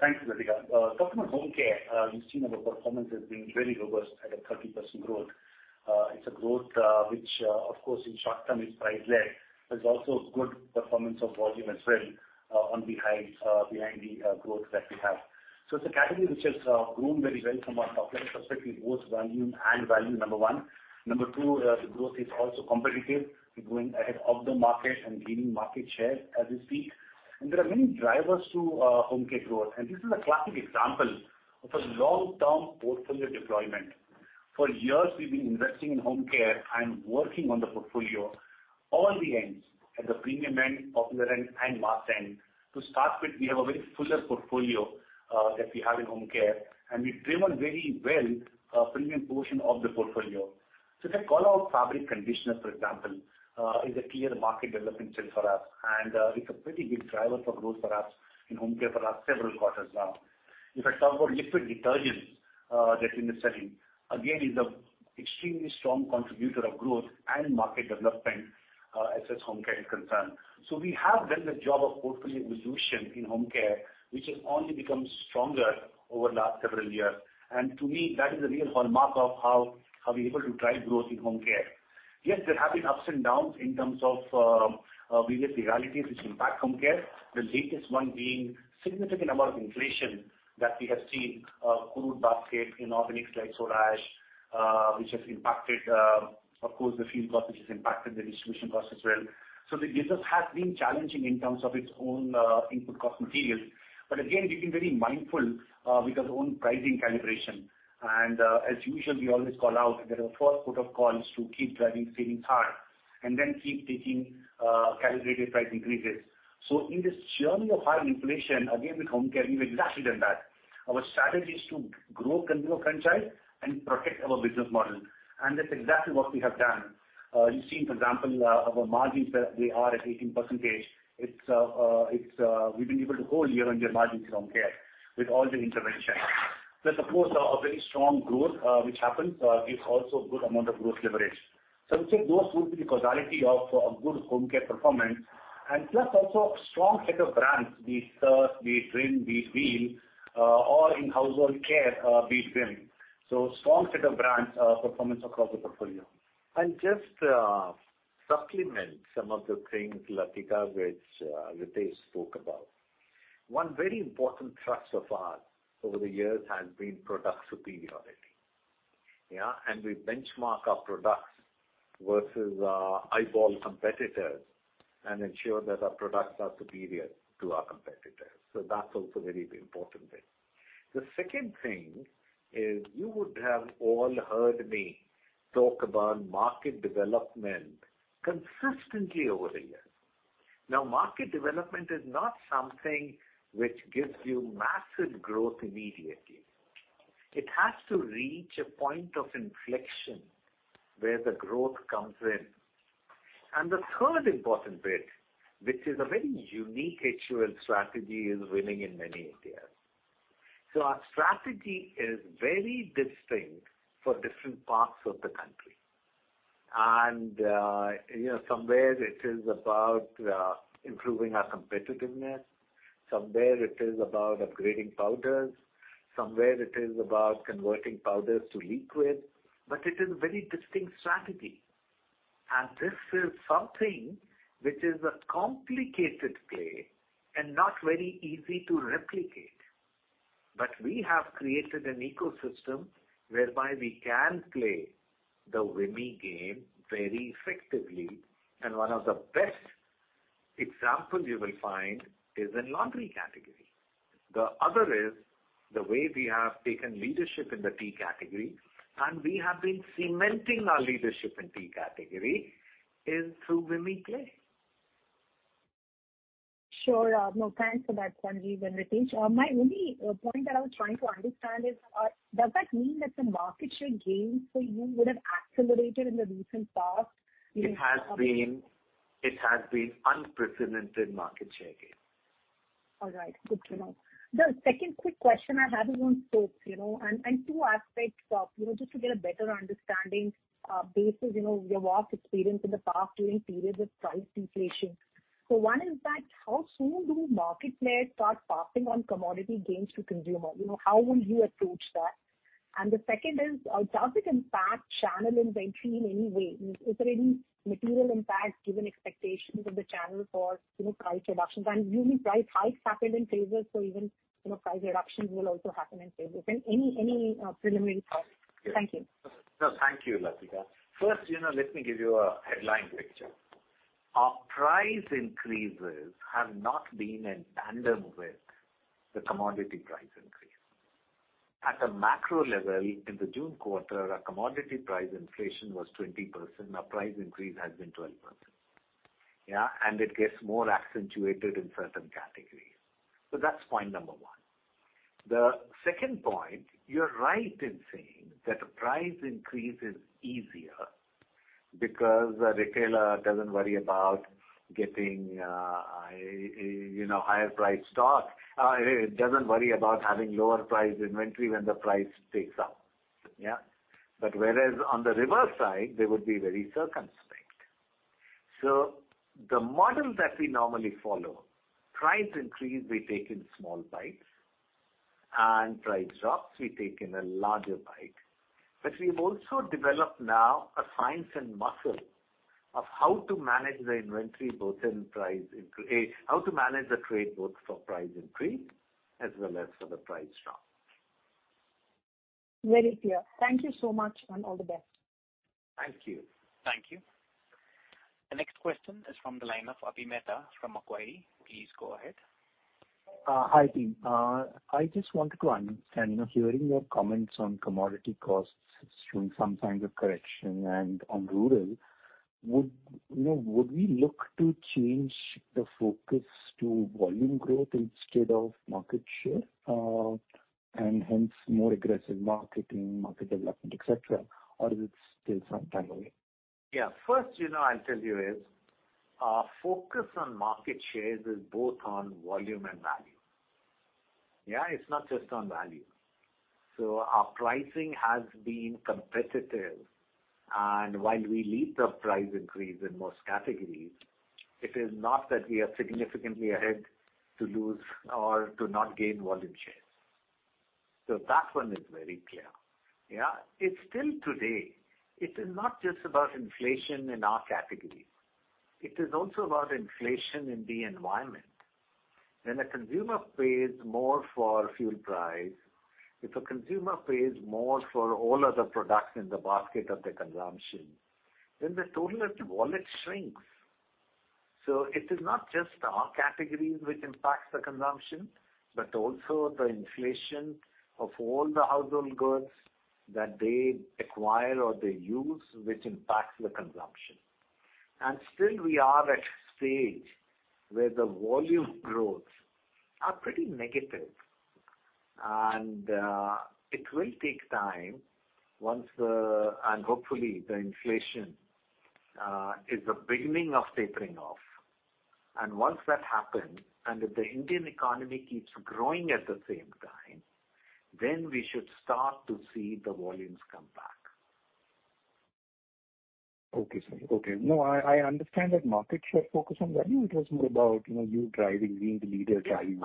Thanks, Latika. Talking about Home Care, you've seen our performance has been very robust at a 30% growth. It's a growth which, of course, in short-term is price-led. There's also good performance of volume as well, and behind the growth that we have. It's a category which has grown very well from a top-line perspective, both volume and value, number one. Number two, the growth is also competitive. We're going ahead of the market and gaining market share as we speak. There are many drivers to Home Care growth. This is a classic example of a long-term portfolio deployment. For years we've been investing in Home Care and working on the portfolio all the ends, at the premium end, popular end and mass end. To start with, we have a very fuller portfolio that we have in Home Care, and we've driven very well a premium portion of the portfolio. If I call out fabric conditioner, for example, is a clear market development hill for us. It's a pretty big driver for growth for us in Home Care for several quarters now. If I talk about liquid detergent that we're selling, again, is a extremely strong contributor of growth and market development as Home Care is concerned. We have done the job of portfolio evolution in Home Care, which has only become stronger over the last several years. To me, that is a real hallmark of how we're able to drive growth in Home Care. Yes, there have been ups and downs in terms of various realities which impact Home Care. The latest one being significant amount of inflation that we have seen, crude basket, inorganic like soda ash, which has impacted, of course, the fuel cost, which has impacted the distribution cost as well. The business has been challenging in terms of its own, input cost materials. We've been very mindful, with our own pricing calibration. As usual, we always call out that our first port of call is to keep driving savings hard and then keep taking, calibrated price increases. In this journey of high inflation, again, with Home Care, we've exactly done that. Our strategy is to grow consumer franchise and protect our business model. That's exactly what we have done. You've seen, for example, our margins, they are at 18%. We've been able to hold year-on-year margins in Home Care with all the interventions. Plus, of course, a very strong growth, which happens, gives also good amount of growth leverage. I would say those would be the causality of a good Home Care performance. Plus also a strong set of brands, be it Surf, be it Rin, be it Vim, or in household care, be it Vim. Strong set of brands, performance across the portfolio. Just supplement some of the things, Latika, which Ritesh spoke about. One very important thrust of ours over the years has been product superiority. We benchmark our products versus rival competitors and ensure that our products are superior to our competitors. That's also very important thing. The second thing is you would have all heard me talk about market development consistently over the years. Market development is not something which gives you massive growth immediately. It has to reach a point of inflection where the growth comes in. The third important bit, which is a very unique HUL strategy, is winning in many Indias. Our strategy is very distinct for different parts of the country. You know, somewhere it is about improving our competitiveness. Somewhere it is about upgrading powders. Somewhere it is about converting powders to liquid. It is very distinct strategy. This is something which is a complicated play and not very easy to replicate. We have created an ecosystem whereby we can play the WIMI game very effectively. One of the best examples you will find is in laundry category. The other is the way we have taken leadership in the tea category, and we have been cementing our leadership in tea category through WIMI play. Sure. No, thanks for that clarity, Ritesh. My only point that I was trying to understand is, does that mean that the market share gains for you would have accelerated in the recent past? It has been unprecedented market share gain. All right. Good to know. The second quick question I have is on soaps, you know, and two aspects of, you know, just to get a better understanding, based on, you know, your vast experience in the past during periods of price deflation. One is that how soon do market players start passing on commodity gains to consumer? You know, how will you approach that? The second is, does it impact channel inventory in any way? Is there any material impact given expectations of the channel for, you know, price reductions? Usually price hikes happened in favor, so even, you know, price reductions will also happen in favor. Any preliminary thoughts? Thank you. No, thank you, Latika. First, you know, let me give you a headline picture. Our price increases have not been in tandem with the commodity price increase. At a macro level, in the June quarter, our commodity price inflation was 20%. Our price increase has been 12%. It gets more accentuated in certain categories. That's point number one. The second point, you're right in saying that a price increase is easier because a retailer doesn't worry about getting you know higher priced stock. It doesn't worry about having lower priced inventory when the price goes up. Whereas on the reverse side, they would be very circumspect. The model that we normally follow, price increase we take in small bites, and price drops we take in a larger bite. We've also developed now a science and muscle of how to manage the inventory both in price increase. How to manage the trade both for price increase as well as for the price drop. Very clear. Thank you so much, and all the best. Thank you. Thank you. The next question is from the line of Avi Mehta from Macquarie. Please go ahead. Hi, team. I just wanted to understand, you know, hearing your comments on commodity costs showing some signs of correction and on rural, would we look to change the focus to volume growth instead of market share, and hence more aggressive marketing, market development, et cetera? Or is it still some time away? Yeah. First, you know, I'll tell you, is our focus on market shares both on volume and value. Yeah. It's not just on value. Our pricing has been competitive. While we lead the price increase in most categories, it is not that we are significantly ahead to lose or to not gain volume shares. That one is very clear. Yeah. It's still today, it is not just about inflation in our categories. It is also about inflation in the environment. When a consumer pays more for fuel price, if a consumer pays more for all other products in the basket of their consumption, then the total wallet shrinks. It is not just our categories which impacts the consumption, but also the inflation of all the household goods that they acquire or they use, which impacts the consumption. Still we are at stage where the volume growths are pretty negative. It will take time. Hopefully the inflation is the beginning of tapering off. Once that happens, and if the Indian economy keeps growing at the same time, then we should start to see the volumes come back. Okay, sir. I understand that market share focus on value. It was more about, you know, you driving being the leader driving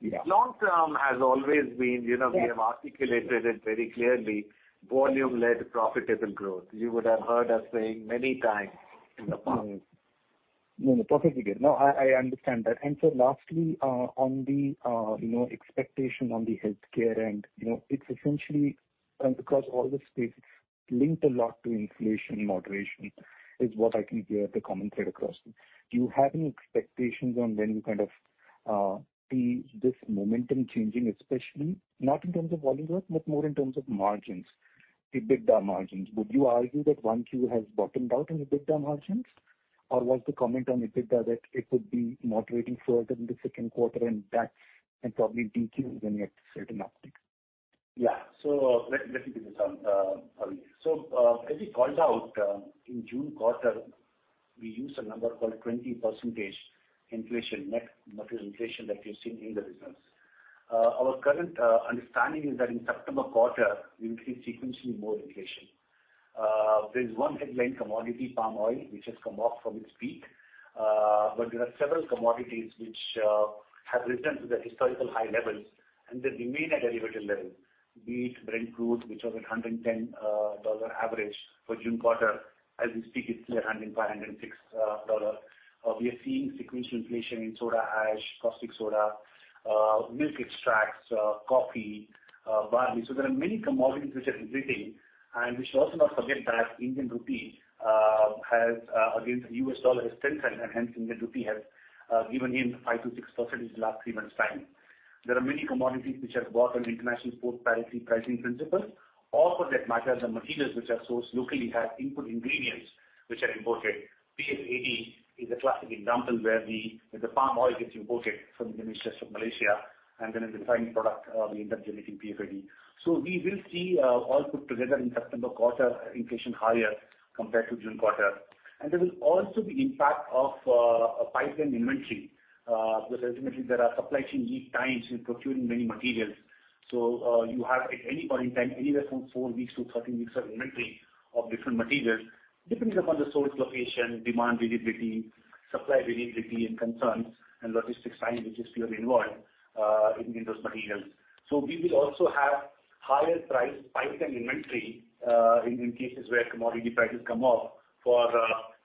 volume. Long-term has always been, you know, we have articulated it very clearly, volume-led profitable growth. You would have heard us saying many times in the past. No, no, perfectly good. No, I understand that. Lastly, on the, you know, expectation on the healthcare end, you know, it's essentially across all the states linked a lot to inflation moderation, is what I can hear the common thread across. Do you have any expectations on when you kind of see this momentum changing, especially not in terms of volume growth, but more in terms of margins, EBITDA margins? Would you argue that 1Q has bottomed out in EBITDA margins? Or was the comment on EBITDA that it could be moderating further in the second quarter and that's probably declining when you have to see an uptick? As we called out, in June quarter, we used a number called 20% inflation, net material inflation that we've seen in the business. Our current understanding is that in September quarter we will see sequentially more inflation. There's one headline commodity, palm oil, which has come off from its peak. There are several commodities which have returned to their historical high levels, and they remain at elevated level. Wheat, bread fruits, which was at $110 average for June quarter. As we speak, it's still at $105-$106. We are seeing sequential inflation in soda ash, caustic soda, milk extracts, coffee, barley. There are many commodities which are inflating. We should also not forget that Indian rupee has weakened against the U.S. dollar, and hence Indian rupee has given up 5%-6% in the last three months' time. There are many commodities which are bought on international import parity pricing principle. Also, that matter are materials which are sourced locally have input ingredients which are imported. PFAD is a classic example where the palm oil gets imported from the plantations of Malaysia, and then in the final product, we end up generating PFAD. We will see all put together in September quarter inflation higher compared to June quarter. There will also be impact of a pipeline inventory because ultimately there are supply chain lead times in procuring many materials. You have at any point in time anywhere from four weeks to 13 weeks of inventory of different materials depending upon the source location, demand variability, supply variability and concerns and logistics time which is still involved in those materials. We will also have higher price pipeline inventory in cases where commodity prices come off for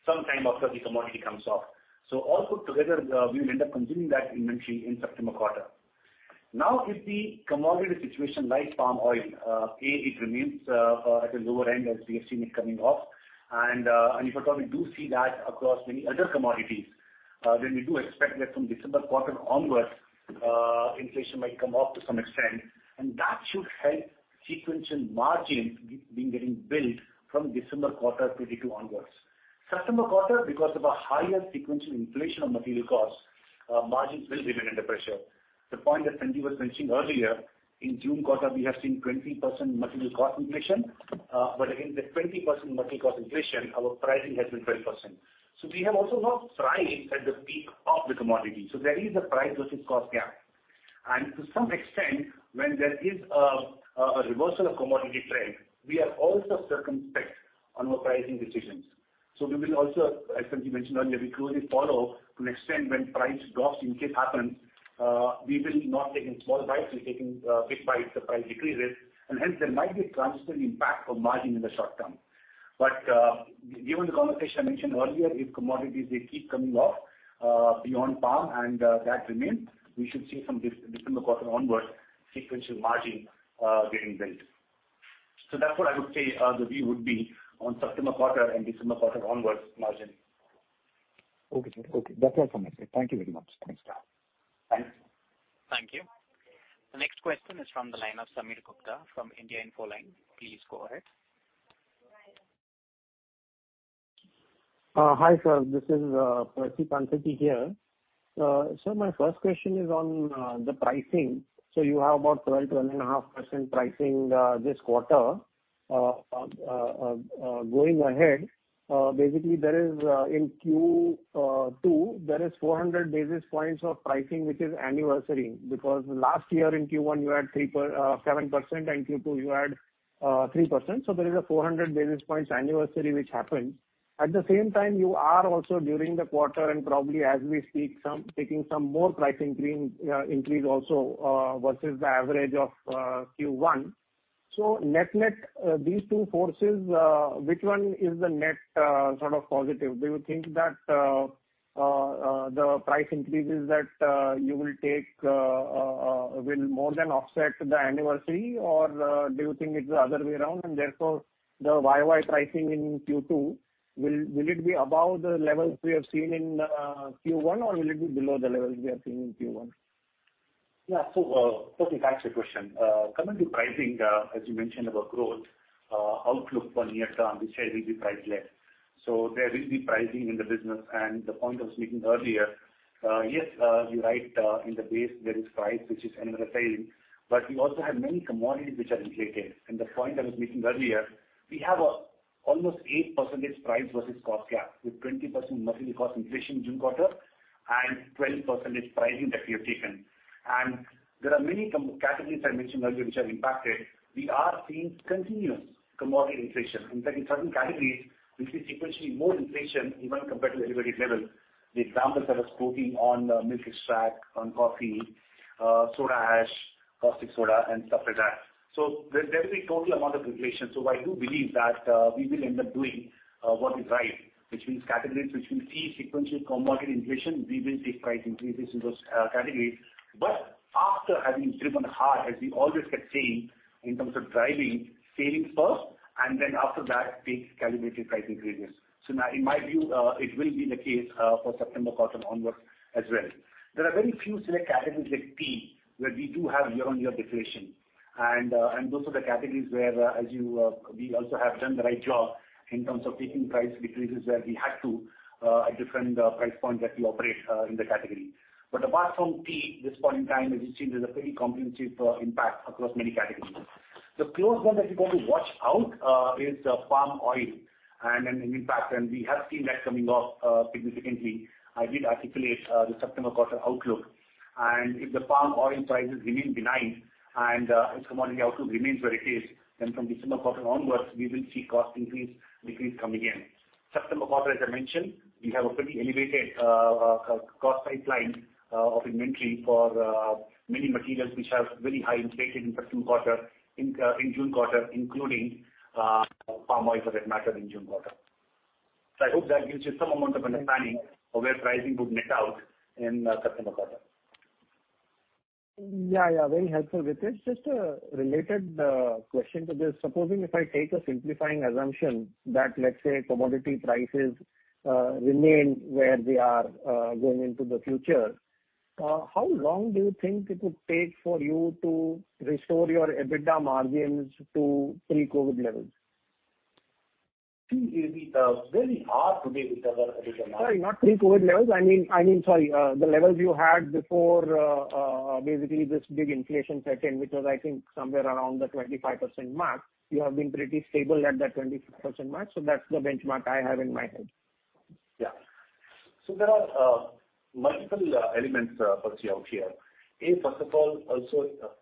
some time after the commodity comes off. All put together we will end up consuming that inventory in September quarter. Now, if the commodity situation like palm oil, it remains at a lower end as we have seen it coming off, and if at all we do see that across many other commodities, then we do expect that from December quarter onwards, inflation might come off to some extent, and that should help sequential margin being getting built from December quarter 2022 onwards. September quarter, because of a higher sequential inflation on material costs, margins will remain under pressure. The point that Sanjiv was mentioning earlier, in June quarter, we have seen 20% material cost inflation. Again, that 20% material cost inflation, our pricing has been 12%. We have also not priced at the peak of the commodity. There is a price versus cost gap. To some extent, when there is a reversal of commodity trend, we are also circumspect on our pricing decisions. We will also, as Sanjiv mentioned earlier, closely follow to an extent when price drops in case they happen, we will not be taking small bites, we're taking big bites, the price decreases, and hence there might be a transitory impact on margin in the short term. Given the conversation I mentioned earlier, if commodities they keep coming off, beyond palm and that remains, we should see from December quarter onwards sequential margin getting built. That's what I would say, the view would be on September quarter and December quarter onwards margin. Okay, sir. Okay. That's all from my side. Thank you very much. Thanks. Thanks. Thank you. The next question is from the line of Sameer Gupta from India Infoline. Please go ahead. Hi sir, this is Percy Panthaki here. My first question is on the pricing. You have about 12.5% pricing this quarter. Going ahead, basically there is in Q2 400 basis points of pricing which is anniversary, because last year in Q1 you had 37%, and Q2 you had 3%. There is a 400 basis points anniversary which happened. At the same time, you are also during the quarter and probably as we speak taking some more pricing increase also versus the average of Q1. Net-net, these two forces, which one is the net sort of positive? Do you think that the price increases that you will take will more than offset the anniversary? Or do you think it's the other way around and therefore the YoY pricing in Q2 will it be above the levels we have seen in Q1 or will it be below the levels we have seen in Q1? Yeah. Okay, thanks for your question. Coming to pricing, as you mentioned about growth, outlook for near term, we said we'll be price led. There will be pricing in the business. The point I was making earlier, yes, you're right, in the base there is price which is annualizing, but we also have many commodities which are inflated. The point I was making earlier, we have almost 8% price versus cost gap, with 20% material cost inflation June quarter and 12% pricing that we have taken. There are many categories I mentioned earlier which are impacted. We are seeing continuous commodity inflation. In fact, in certain categories we see sequentially more inflation even compared to elevated levels. The examples I was quoting on, milk extract, on coffee, soda ash, caustic soda and stuff like that. There will be total amount of inflation. I do believe that, we will end up doing, what is right, which means categories which will see sequential commodity inflation, we will take price increases in those, categories. After having driven hard, as we always kept saying, in terms of driving savings first and then after that take category price increases. Now in my view, it will be the case, for September quarter onwards as well. There are very few select categories like tea, where we do have year-on-year deflation. Those are the categories where we also have done the right job in terms of taking price decreases where we had to at different price points that we operate in the category. Apart from tea, at this point in time, as you see, there's a pretty comprehensive impact across many categories. The closest one that we're going to watch out is palm oil and impact, and we have seen that coming off significantly. I did articulate the September quarter outlook. If the palm oil prices remain benign and its commodity outlook remains where it is, then from December quarter onwards we will see cost increase, decrease come again. September quarter, as I mentioned, we have a pretty elevated cost pipeline of inventory for many materials which have very highly inflated in the June quarter, including palm oil for that matter in June quarter. I hope that gives you some amount of understanding of where pricing would net out in September quarter. Yeah, yeah, very helpful, Ritesh. Just a related question to this. Supposing if I take a simplifying assumption that let's say commodity prices remain where they are, going into the future, how long do you think it would take for you to restore your EBITDA margins to pre-COVID levels? It will be, very hard to give you the other EBITDA margin. Sorry, not pre-COVID levels. I mean, sorry, the levels you had before, basically this big inflation set in, which was I think somewhere around the 25% mark. You have been pretty stable at that 25% mark, so that's the benchmark I have in my head. There are multiple elements, Percy, out here. First of all,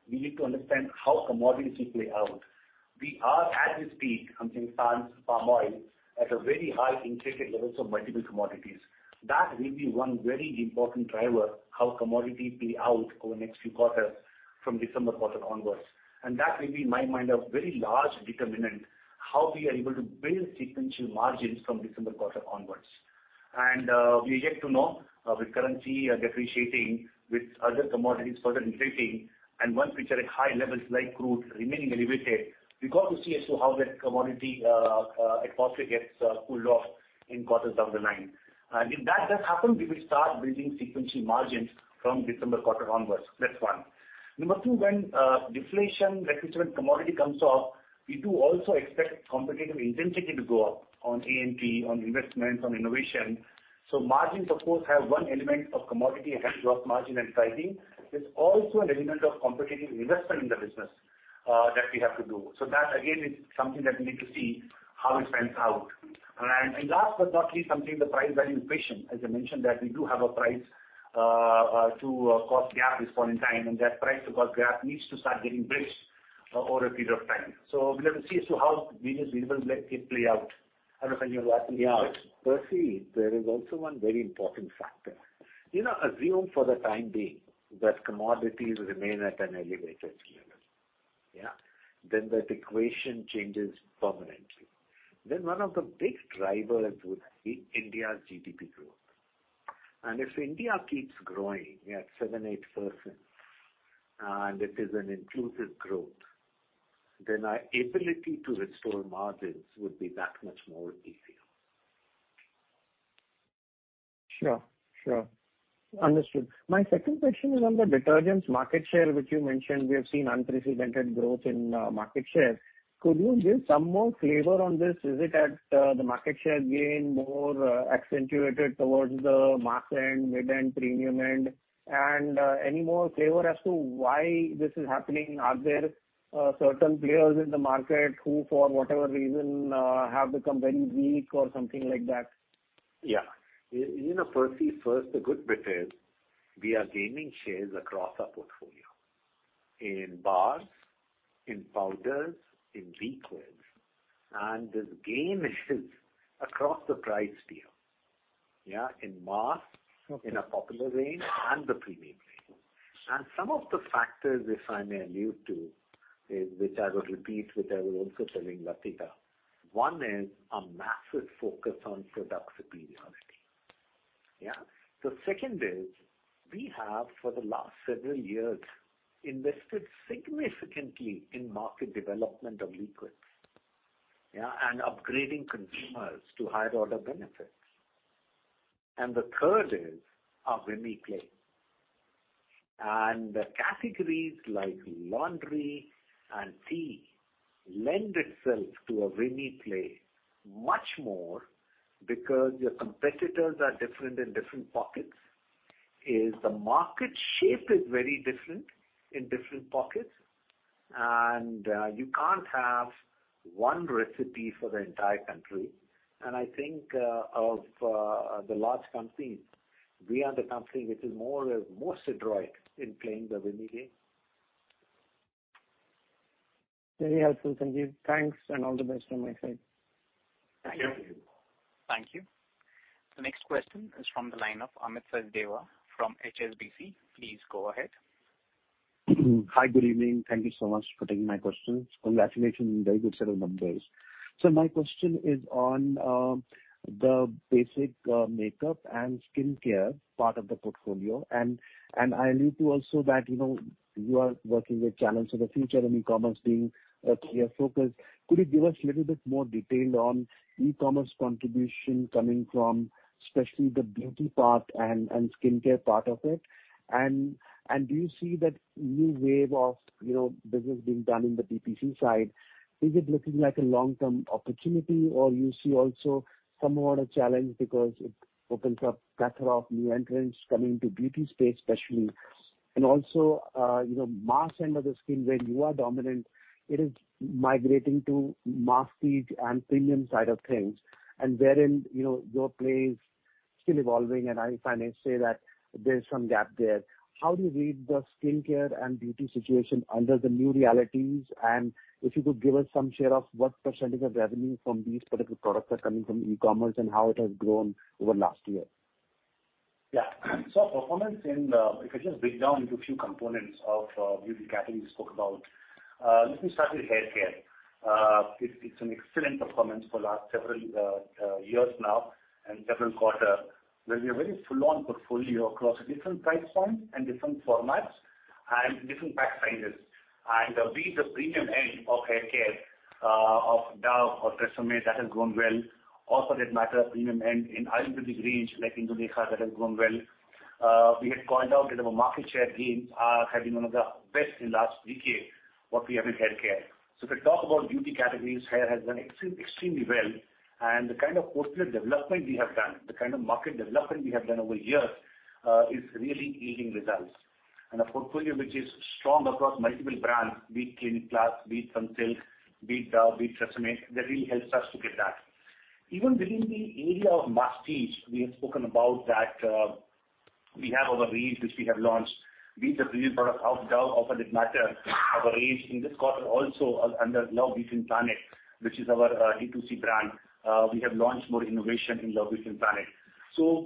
we need to understand how commodities will play out. We are at this peak. I'm saying palm oil at very high, inflated levels of multiple commodities. That will be one very important driver, how commodities play out over the next few quarters from December quarter onwards. That will be, in my mind, a very large determinant how we are able to build sequential margins from December quarter onwards. We're yet to know with currency depreciating, with other commodities further inflating, and ones which are at high levels like crude remaining elevated. We've got to see as to how that commodity basket gets cooled off in quarters down the line. If that does happen, we will start building sequential margins from December quarter onwards. That's one. Number two, when deflation, like you said, commodity comes off, we do also expect competitive intensity to go up on A&P, on investments, on innovation. Margins of course have one element of commodity hedge gross margin and pricing. There's also an element of competitive investment in the business that we have to do. That again is something that we need to see how it pans out. Last but not least, something the price value inflation, as I mentioned, that we do have a price to cost gap this point in time, and that price to cost gap needs to start getting bridged over a period of time. We'll have to see as to how various variables let it play out. Sanjiv, you want to add? Yeah. Percy, there is also one very important factor. You know, assume for the time being that commodities remain at an elevated level. Yeah? That equation changes permanently. One of the big drivers would be India's GDP growth. If India keeps growing at 7%-8%, and it is an inclusive growth, then our ability to restore margins would be that much more easier. Sure. Understood. My second question is on the detergents market share which you mentioned, we have seen unprecedented growth in market share. Could you give some more flavor on this? Is it at the market share gain more accentuated towards the mass end, mid-end, premium end? Any more flavor as to why this is happening? Are there certain players in the market who for whatever reason have become very weak or something like that? Yeah. You know, Percy, first the good bit is we are gaining shares across our portfolio, in bars, in powders, in liquids, and this gain is across the price tier. Yeah, in mass. Okay. In a popular range and the premium range. Some of the factors, if I may allude to, which I was also telling Latika, one is a massive focus on product superiority. The second is we have for the last several years invested significantly in market development of liquids, and upgrading consumers to higher order benefits. The third is our WIMI play. The categories like laundry and tea lend itself to a WIMI play much more because your competitors are different in different pockets, the market shape is very different in different pockets, and you can't have one recipe for the entire country. I think of the large companies, we are the company which is most adroit in playing the WIMI game. Very helpful, Sanjiv. Thanks, and all the best from my side. Thank you. Thank you. Thank you. The next question is from the line of Amit Sachdeva from HSBC. Please go ahead. Hi, good evening. Thank you so much for taking my questions. Congratulations, very good set of numbers. My question is on the beauty makeup and skincare part of the portfolio. I allude to also that, you know, you are working with channels of the future and e-commerce being a clear focus. Could you give us a little bit more detail on e-commerce contribution coming from especially the beauty part and skincare part of it? Do you see that new wave of, you know, business being done in the BPC side, is it looking like a long-term opportunity or you see also somewhat a challenge because it opens up plethora of new entrants coming to beauty space especially? You know, mass end of the skincare where you are dominant, it is migrating to masstige and premium side of things. Wherein, you know, your place. Still evolving, and I finally say that there's some gap there. How do you read the skincare and beauty situation under the new realities? If you could give us some sense of what percentage of revenue from these particular products are coming from e-commerce, and how it has grown over last year? Yeah. Performance in the beauty category, if I just break down into a few components of the beauty category you spoke about. Let me start with haircare. It's an excellent performance for the last several years now and several quarters, where we have very full-on portfolio across different price points and different formats and different pack sizes. Be it the premium end of haircare of Dove or TRESemmé, that has grown well. Also that matter, the premium end in Ayurvedic range, like Indulekha, that has grown well. We had called out that our market share gains have been one of the best in the last decade what we have in haircare. If we talk about beauty categories, hair has done extremely well. The kind of portfolio development we have done, the kind of market development we have done over years, is really yielding results. A portfolio which is strong across multiple brands, be it Clinic Plus, be it Sunsilk, be it TRESemmé, that really helps us to get that. Even within the area of masstige, we have spoken about that, we have our range which we have launched. Be it the premium product of Dove or for that matter, our range in this quarter also, under Love Beauty and Planet, which is our, D2C brand. We have launched more innovation in Love Beauty and Planet.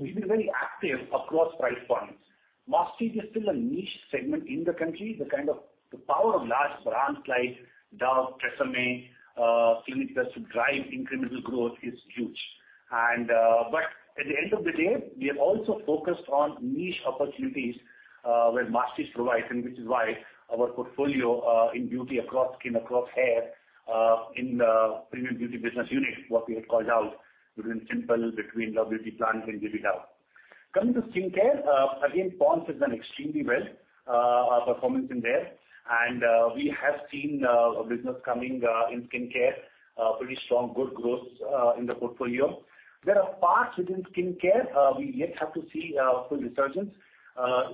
We've been very active across price points. Masstige is still a niche segment in the country. The power of large brands like Dove, TRESemmé, Clinic Plus to drive incremental growth is huge. But at the end of the day, we have also focused on niche opportunities, where masstige provides, and which is why our portfolio in beauty across skin, across hair, in the premium beauty business unit, what we had called out between Simple, between Love Beauty and Planet and Baby Dove. Coming to skincare, again, Pond's has done extremely well, our performance in there. We have seen business coming in skincare, pretty strong, good growth in the portfolio. There are parts within skincare, we yet have to see full resurgence,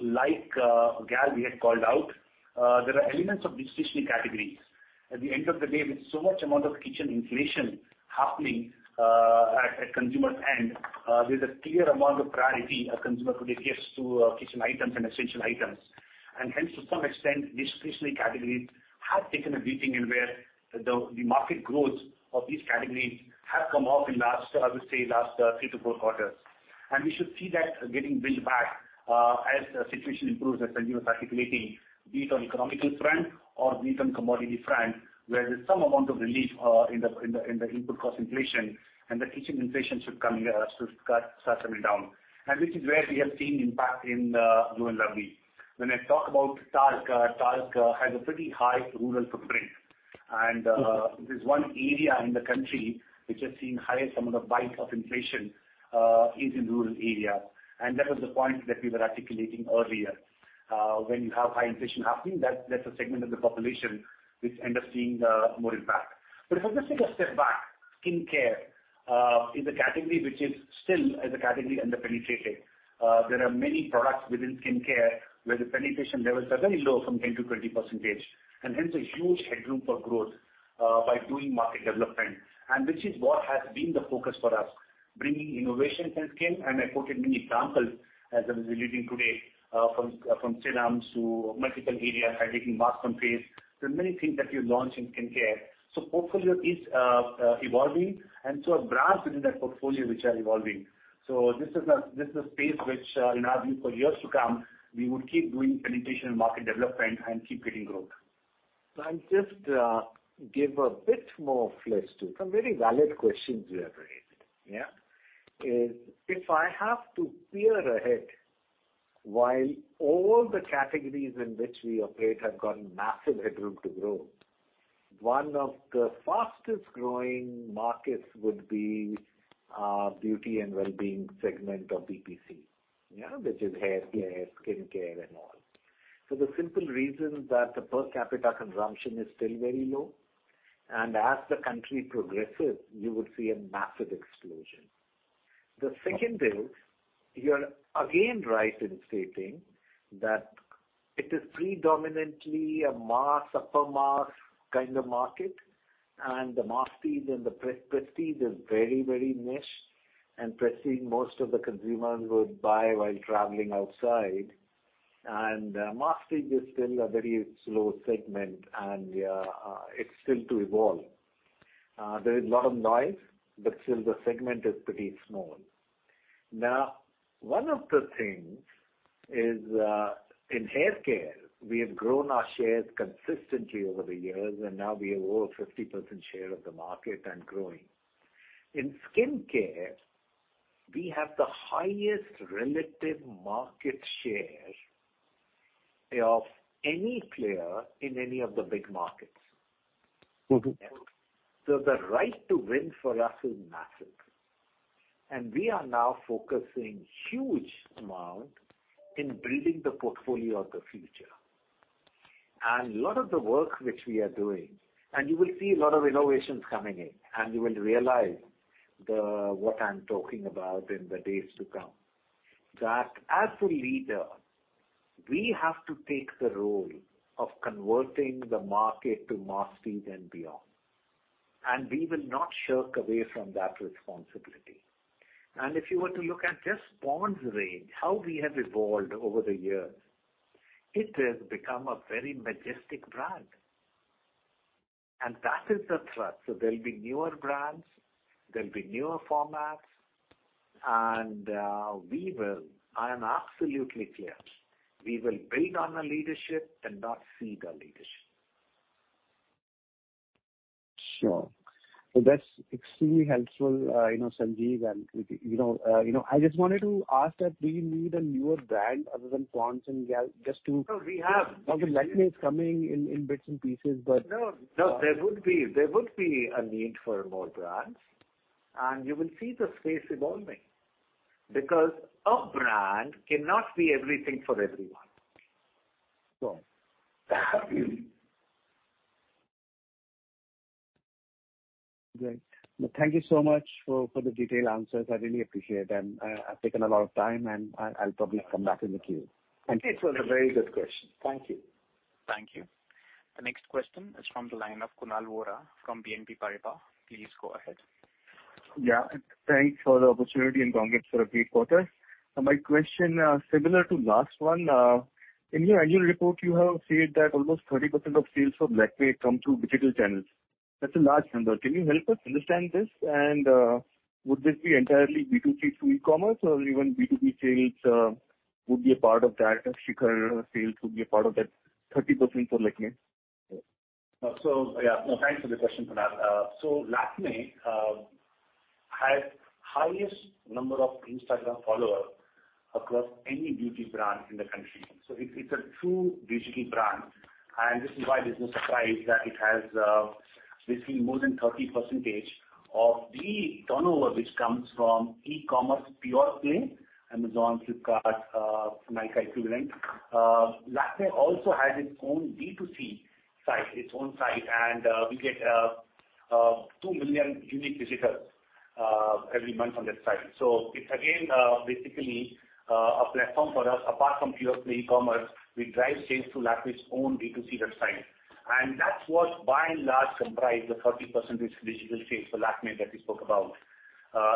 like, Talc we had called out. There are elements of discretionary categories. At the end of the day, with so much amount of kitchen inflation happening at consumer end, there's a clear amount of priority a consumer could give to kitchen items and essential items. Hence to some extent, discretionary categories have taken a beating where the market growth of these categories has come off in the last, I would say, three to four quarters. We should see that getting built back as the situation improves, as Sanjiv was articulating, be it on economic front or be it on commodity front, where there's some amount of relief in the input cost inflation, and the kitchen inflation should start coming down. This is where we have seen impact in Glow & Lovely. When I talk about Talc has a pretty high rural footprint. If there's one area in the country which is seeing highest amount of bite of inflation, is in rural area. That was the point that we were articulating earlier. When you have high inflation happening, that's a segment of the population which end up seeing more impact. If I just take a step back, skincare is a category which is still as a category underpenetrated. There are many products within skincare where the penetration levels are very low, from 10%-20%, and hence a huge headroom for growth, by doing market development, and which is what has been the focus for us, bringing innovation in skin, and I quoted many examples as I was relating today, from serums to multiple areas, hydrating mask and face. There are many things that we've launched in skincare. Portfolio is evolving, and so are brands within that portfolio which are evolving. This is a space which, in our view, for years to come, we would keep doing penetration and market development and keep getting growth. I'll just give a bit more flesh to some very valid questions you have raised. Yes, if I have to peer ahead, while all the categories in which we operate have gotten massive headroom to grow, one of the fastest growing markets would be beauty and well-being segment of BPC. Which is haircare, skincare, and all. For the simple reason that the per capita consumption is still very low, and as the country progresses, you would see a massive explosion. The second is, you're again right in stating that it is predominantly a mass, upper mass kind of market, and the masstige and the prestige is very, very niche. Prestige, most of the consumers would buy while traveling outside. Masstige is still a very slow segment and it's still to evolve. There is a lot of noise, but still the segment is pretty small. Now, one of the things is, in hair care, we have grown our shares consistently over the years, and now we have over 50% share of the market and growing. In skin care, we have the highest relative market share of any player in any of the big markets. Mm-hmm. The right to win for us is massive. We are now focusing huge amount in building the portfolio of the future. Lot of the work which we are doing, and you will see a lot of innovations coming in, and you will realize the what I'm talking about in the days to come. That as the leader, we have to take the role of converting the market to masstige and beyond. We will not shirk away from that responsibility. If you were to look at just Pond's range, how we have evolved over the years, it has become a very masstige brand, and that is the thrust. There'll be newer brands, there'll be newer formats, and we will. I am absolutely clear, we will build on the leadership and not cede our leadership. Sure. That's extremely helpful, you know, Sanjiv, and you know, I just wanted to ask that do you need a newer brand other than Pond's and Glow & Lovely just to? No, we have. Okay. Lakmé is coming in bits and pieces. No, no. There would be a need for more brands, and you will see the space evolving because a brand cannot be everything for everyone. Great. Thank you so much for the detailed answers. I really appreciate them. I've taken a lot of time, and I'll probably come back in the queue. Thank you. It was a very good question. Thank you. Thank you. The next question is from the line of Kunal Vora from BNP Paribas. Please go ahead. Yeah. Thanks for the opportunity, and congrats for a great quarter. My question, similar to last one. In your annual report, you have said that almost 30% of sales for Lakmé come through digital channels. That's a large number. Can you help us understand this? Would this be entirely B2C through e-commerce or even B2B sales would be a part of that, Shikhar sales would be a part of that 30% for Lakmé? Yeah. No, thanks for the question, Kunal. Lakmé has highest number of Instagram followers across any beauty brand in the country. It's a true digital brand. This is why there's no surprise that it has basically more than 30% of the turnover which comes from e-commerce pure play, Amazon, Flipkart, Myntra equivalent. Lakmé also has its own B2C site, its own site, and we get 2 million unique visitors every month on that site. It's again basically a platform for us. Apart from pure play e-commerce, we drive sales through Lakmé's own B2C website. That's what by and large comprise the 30% is digital sales for Lakmé that we spoke about.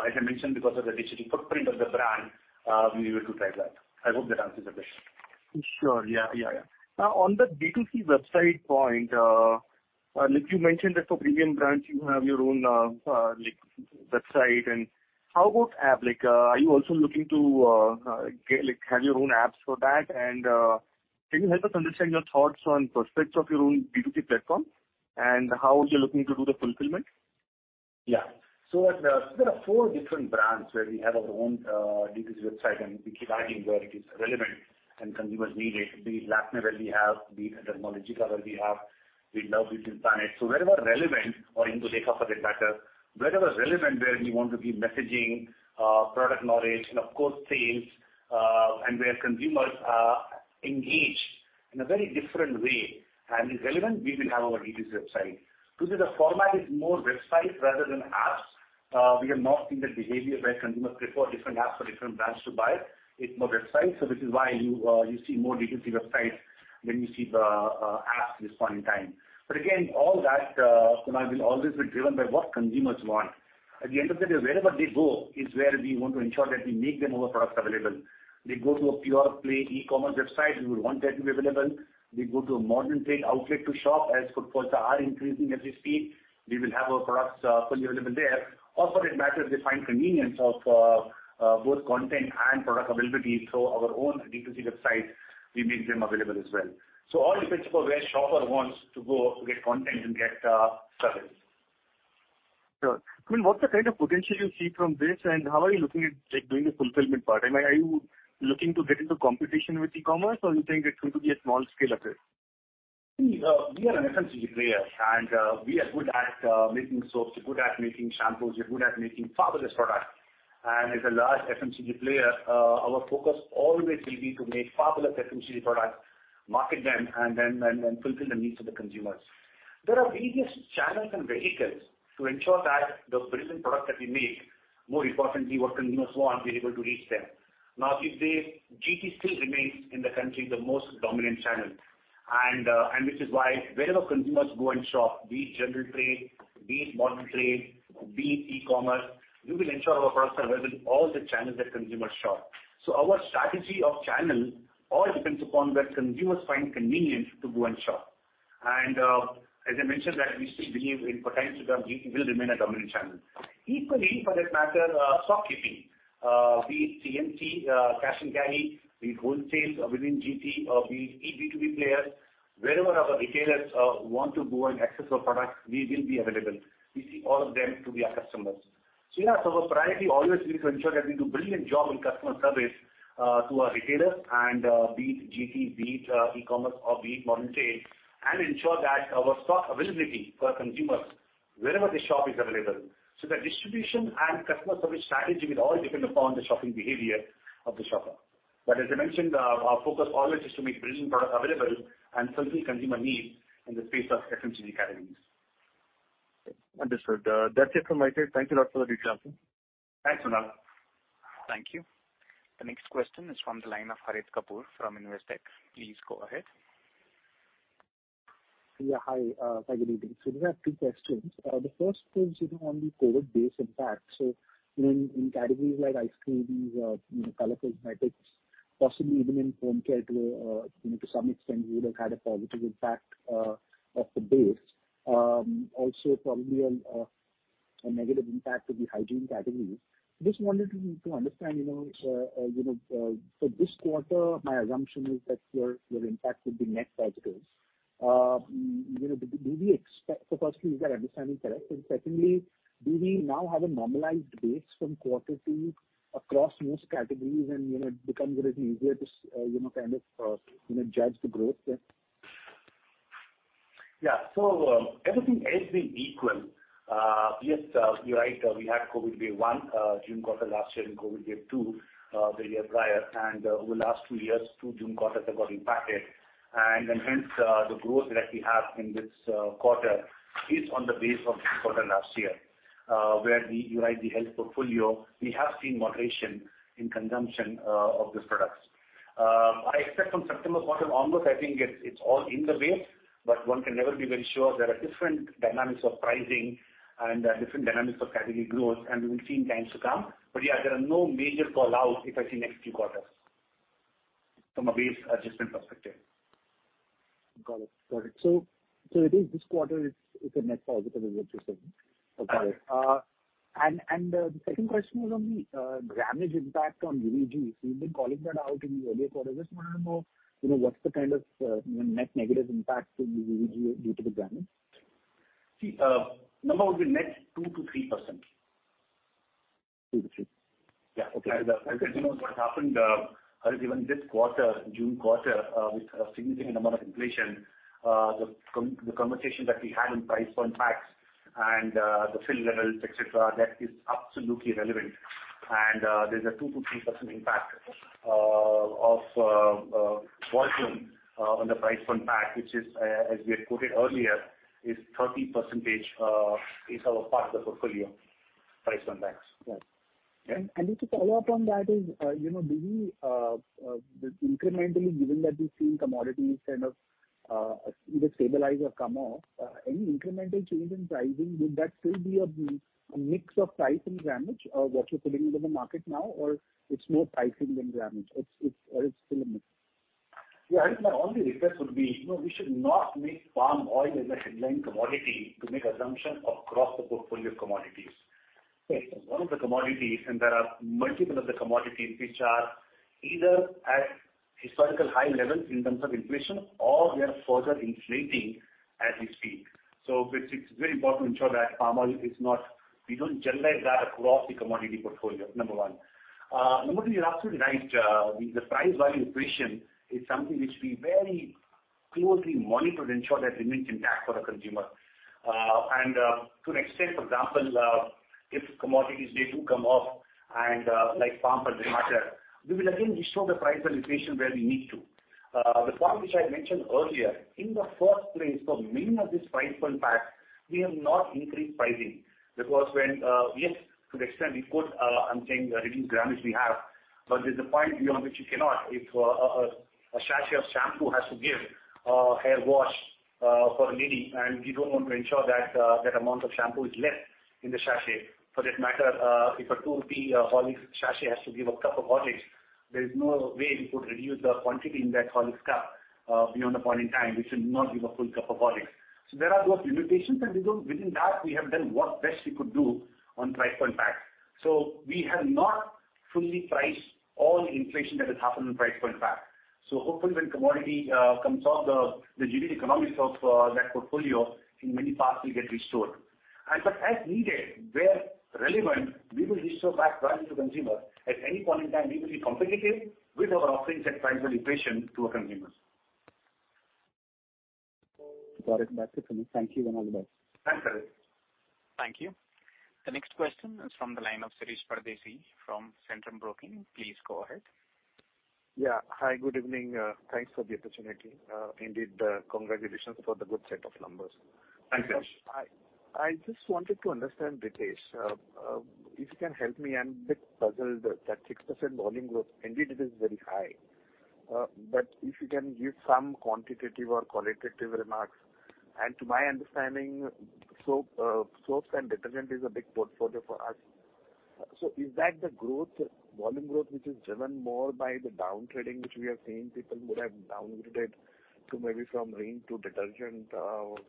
As I mentioned, because of the digital footprint of the brand, we were to drive that. I hope that answers the question. Sure. Yeah. Now, on the B2C website point, like you mentioned that for premium brands you have your own, like website and how about app? Like, are you also looking to get, like, have your own apps for that? Can you help us understand your thoughts on prospects of your own B2C platform and how you're looking to do the fulfillment? Yeah. There are four different brands where we have our own B2C website and we keep adding where it is relevant and consumers need it. Be it Lakmé where we have, be it Dermalogica where we have, be it Love Beauty and Planet. Wherever relevant or Indulekha for that matter, wherever relevant, where we want to give messaging, product knowledge and of course sales, and where consumers are engaged in a very different way and is relevant, we will have our B2C website. Usually the format is more websites rather than apps. We have not seen the behavior where consumers prefer different apps for different brands to buy. It's more websites. This is why you see more B2C websites than you see the apps at this point in time. Again, all that, Kunal, will always be driven by what consumers want. At the end of the day, wherever they go is where we want to ensure that we make them our products available. They go to a pure play e-commerce website, we would want that to be available. They go to a modern trade outlet to shop, as footfalls are increasing at this speed, we will have our products fully available there. Or for that matter, they find convenience of both content and product availability through our own B2C website, we make them available as well. All depends upon where shopper wants to go to get content and get service. Sure. I mean, what's the kind of potential you see from this, and how are you looking at, like, doing the fulfillment part? I mean, are you looking to get into competition with e-commerce or you think it's going to be a small-scale affair? We are an FMCG player and we are good at making soaps, we're good at making shampoos, we're good at making fabulous products. As a large FMCG player, our focus always will be to make fabulous FMCG products, market them, and then fulfill the needs of the consumers. There are various channels and vehicles to ensure that the brilliant product that we make, more importantly, what consumers want, we are able to reach them. Now, if the GT still remains in the country the most dominant channel, and this is why wherever consumers go and shop, be it general trade, be it modern trade, be it e-commerce, we will ensure our products are available in all the channels that consumers shop. Our strategy for all channels depends upon where consumers find convenience to go and shop. As I mentioned that we still believe in for times to come, GT will remain a dominant channel. Equally, for that matter, stock keeping, be it C&C, Cash & Carry, be it wholesales within GT or be it B2B players, wherever our retailers want to go and access our products, we will be available. We see all of them to be our customers. Our priority always will be to ensure that we do brilliant job in customer service to our retailers and, be it GT, be it e-commerce or be it modern trade, and ensure that our stock availability for consumers wherever they shop is available. The distribution and customer service strategy will all depend upon the shopping behavior of the shopper. As I mentioned, our focus always is to make brilliant product available and fulfill consumer needs in the space of FMCG categories. Understood. That's it from my side. Thank you a lot for the detailed answer. Thanks, Kunal. Thank you. The next question is from the line of Harit Kapoor from Investec. Please go ahead. Yeah, hi, good evening. These are two questions. The first is, you know, on the COVID base impact. In categories like ice cream, these, you know, color cosmetics, possibly even in Home Care to a, you know, to some extent would have had a positive impact of the base. Also probably a negative impact to the hygiene categories. Just wanted to understand, you know, for this quarter, my assumption is that your impact would be net positive. You know, do we expect... Firstly, is that understanding correct? And secondly, do we now have a normalized base from quarter to across most categories and, you know, it becomes a little easier to kind of judge the growth there? Yeah. Everything else being equal, yes, you're right. We had COVID wave one, June quarter last year, and COVID wave two, the year prior. Hence, the growth that we have in this quarter is on the base of the quarter last year, where you're right, the health portfolio, we have seen moderation in consumption of these products. I expect from September quarter onwards, I think it's all in the base, but one can never be very sure. There are different dynamics of pricing and different dynamics of category growth, and we will see in times to come. Yeah, there are no major call-outs, if I see next few quarters from a base adjustment perspective. Got it. It is this quarter, it's a net positive is what you're saying? Got it. Okay. The second question was on the grammage impact on UVG. You've been calling that out in the earlier quarters. Just wanted to know, you know, what's the kind of, you know, net negative impact to UVG due to the grammage? See, number would be net 2%-3%. 2%-3%? Yeah. Okay. You know what happened, Harit, even this quarter, June quarter, with a significant amount of inflation, the conversation that we had on price on packs and the fill levels, et cetera, that is absolutely relevant. There's a 2%-3% impact of volume on the price on pack, which is, as we had quoted earlier, 30% of our part of the portfolio price on packs. Right. Yeah. Just to follow up on that, you know, do we incrementally, given that we've seen commodities kind of either stabilize or come off, any incremental change in pricing? Would that still be a mix of price and grammage what you're putting into the market now, or it's more pricing than grammage, or it's still a mix? Yeah, Harit, my only request would be, you know, we should not make palm oil as a headline commodity to make assumption across the portfolio of commodities. Right. It's one of the commodities, and there are multiple other commodities which are either at historical high levels in terms of inflation or they are further inflating as we speak. It's very important to ensure that palm oil is not, we don't generalize that across the commodity portfolio, number one. Number two, you're absolutely right. The price-volume equation is something which we very closely monitor to ensure that remains intact for the consumer. To an extent, for example, if commodities they do come off and, like palm for that matter, we will again restore the price validation where we need to. The palm which I mentioned earlier, in the first place, for many of these price on packs, we have not increased pricing because when yes to the extent we could, I'm saying reduce grammage we have. There's a point beyond which you cannot. If a sachet of shampoo has to give hair wash for a lady, and we don't want to ensure that that amount of shampoo is less in the sachet. For that matter, if a 2 rupee Horlicks sachet has to give a cup of Horlicks, there is no way we could reduce the quantity in that Horlicks cup beyond a point in time which will not give a full cup of Horlicks. There are those limitations, and within that, we have done what best we could do on price on packs. We have not fully priced all inflation that has happened on price on pack. Hopefully when commodity comes off, the unit economics of that portfolio in many parts will get restored. As needed, where relevant, we will restore back value to consumer. At any point in time, we will be competitive with our offerings at price point equation to a consumer. Got it. That's it from me. Thank you, and all the best. Thanks, Harit. Thank you. The next question is from the line of Shirish Pardeshi from Centrum Broking. Please go ahead. Yeah. Hi, good evening. Thanks for the opportunity. Indeed, congratulations for the good set of numbers. Thanks, Shirish. I just wanted to understand, Ritesh, if you can help me. I'm a bit puzzled that 6% volume growth, indeed it is very high. If you can give some quantitative or qualitative remarks. To my understanding, soaps and detergent is a big portfolio for us. Is that the growth, volume growth, which is driven more by the downtrading, which we have seen people would have downgraded to maybe from Rin to detergent,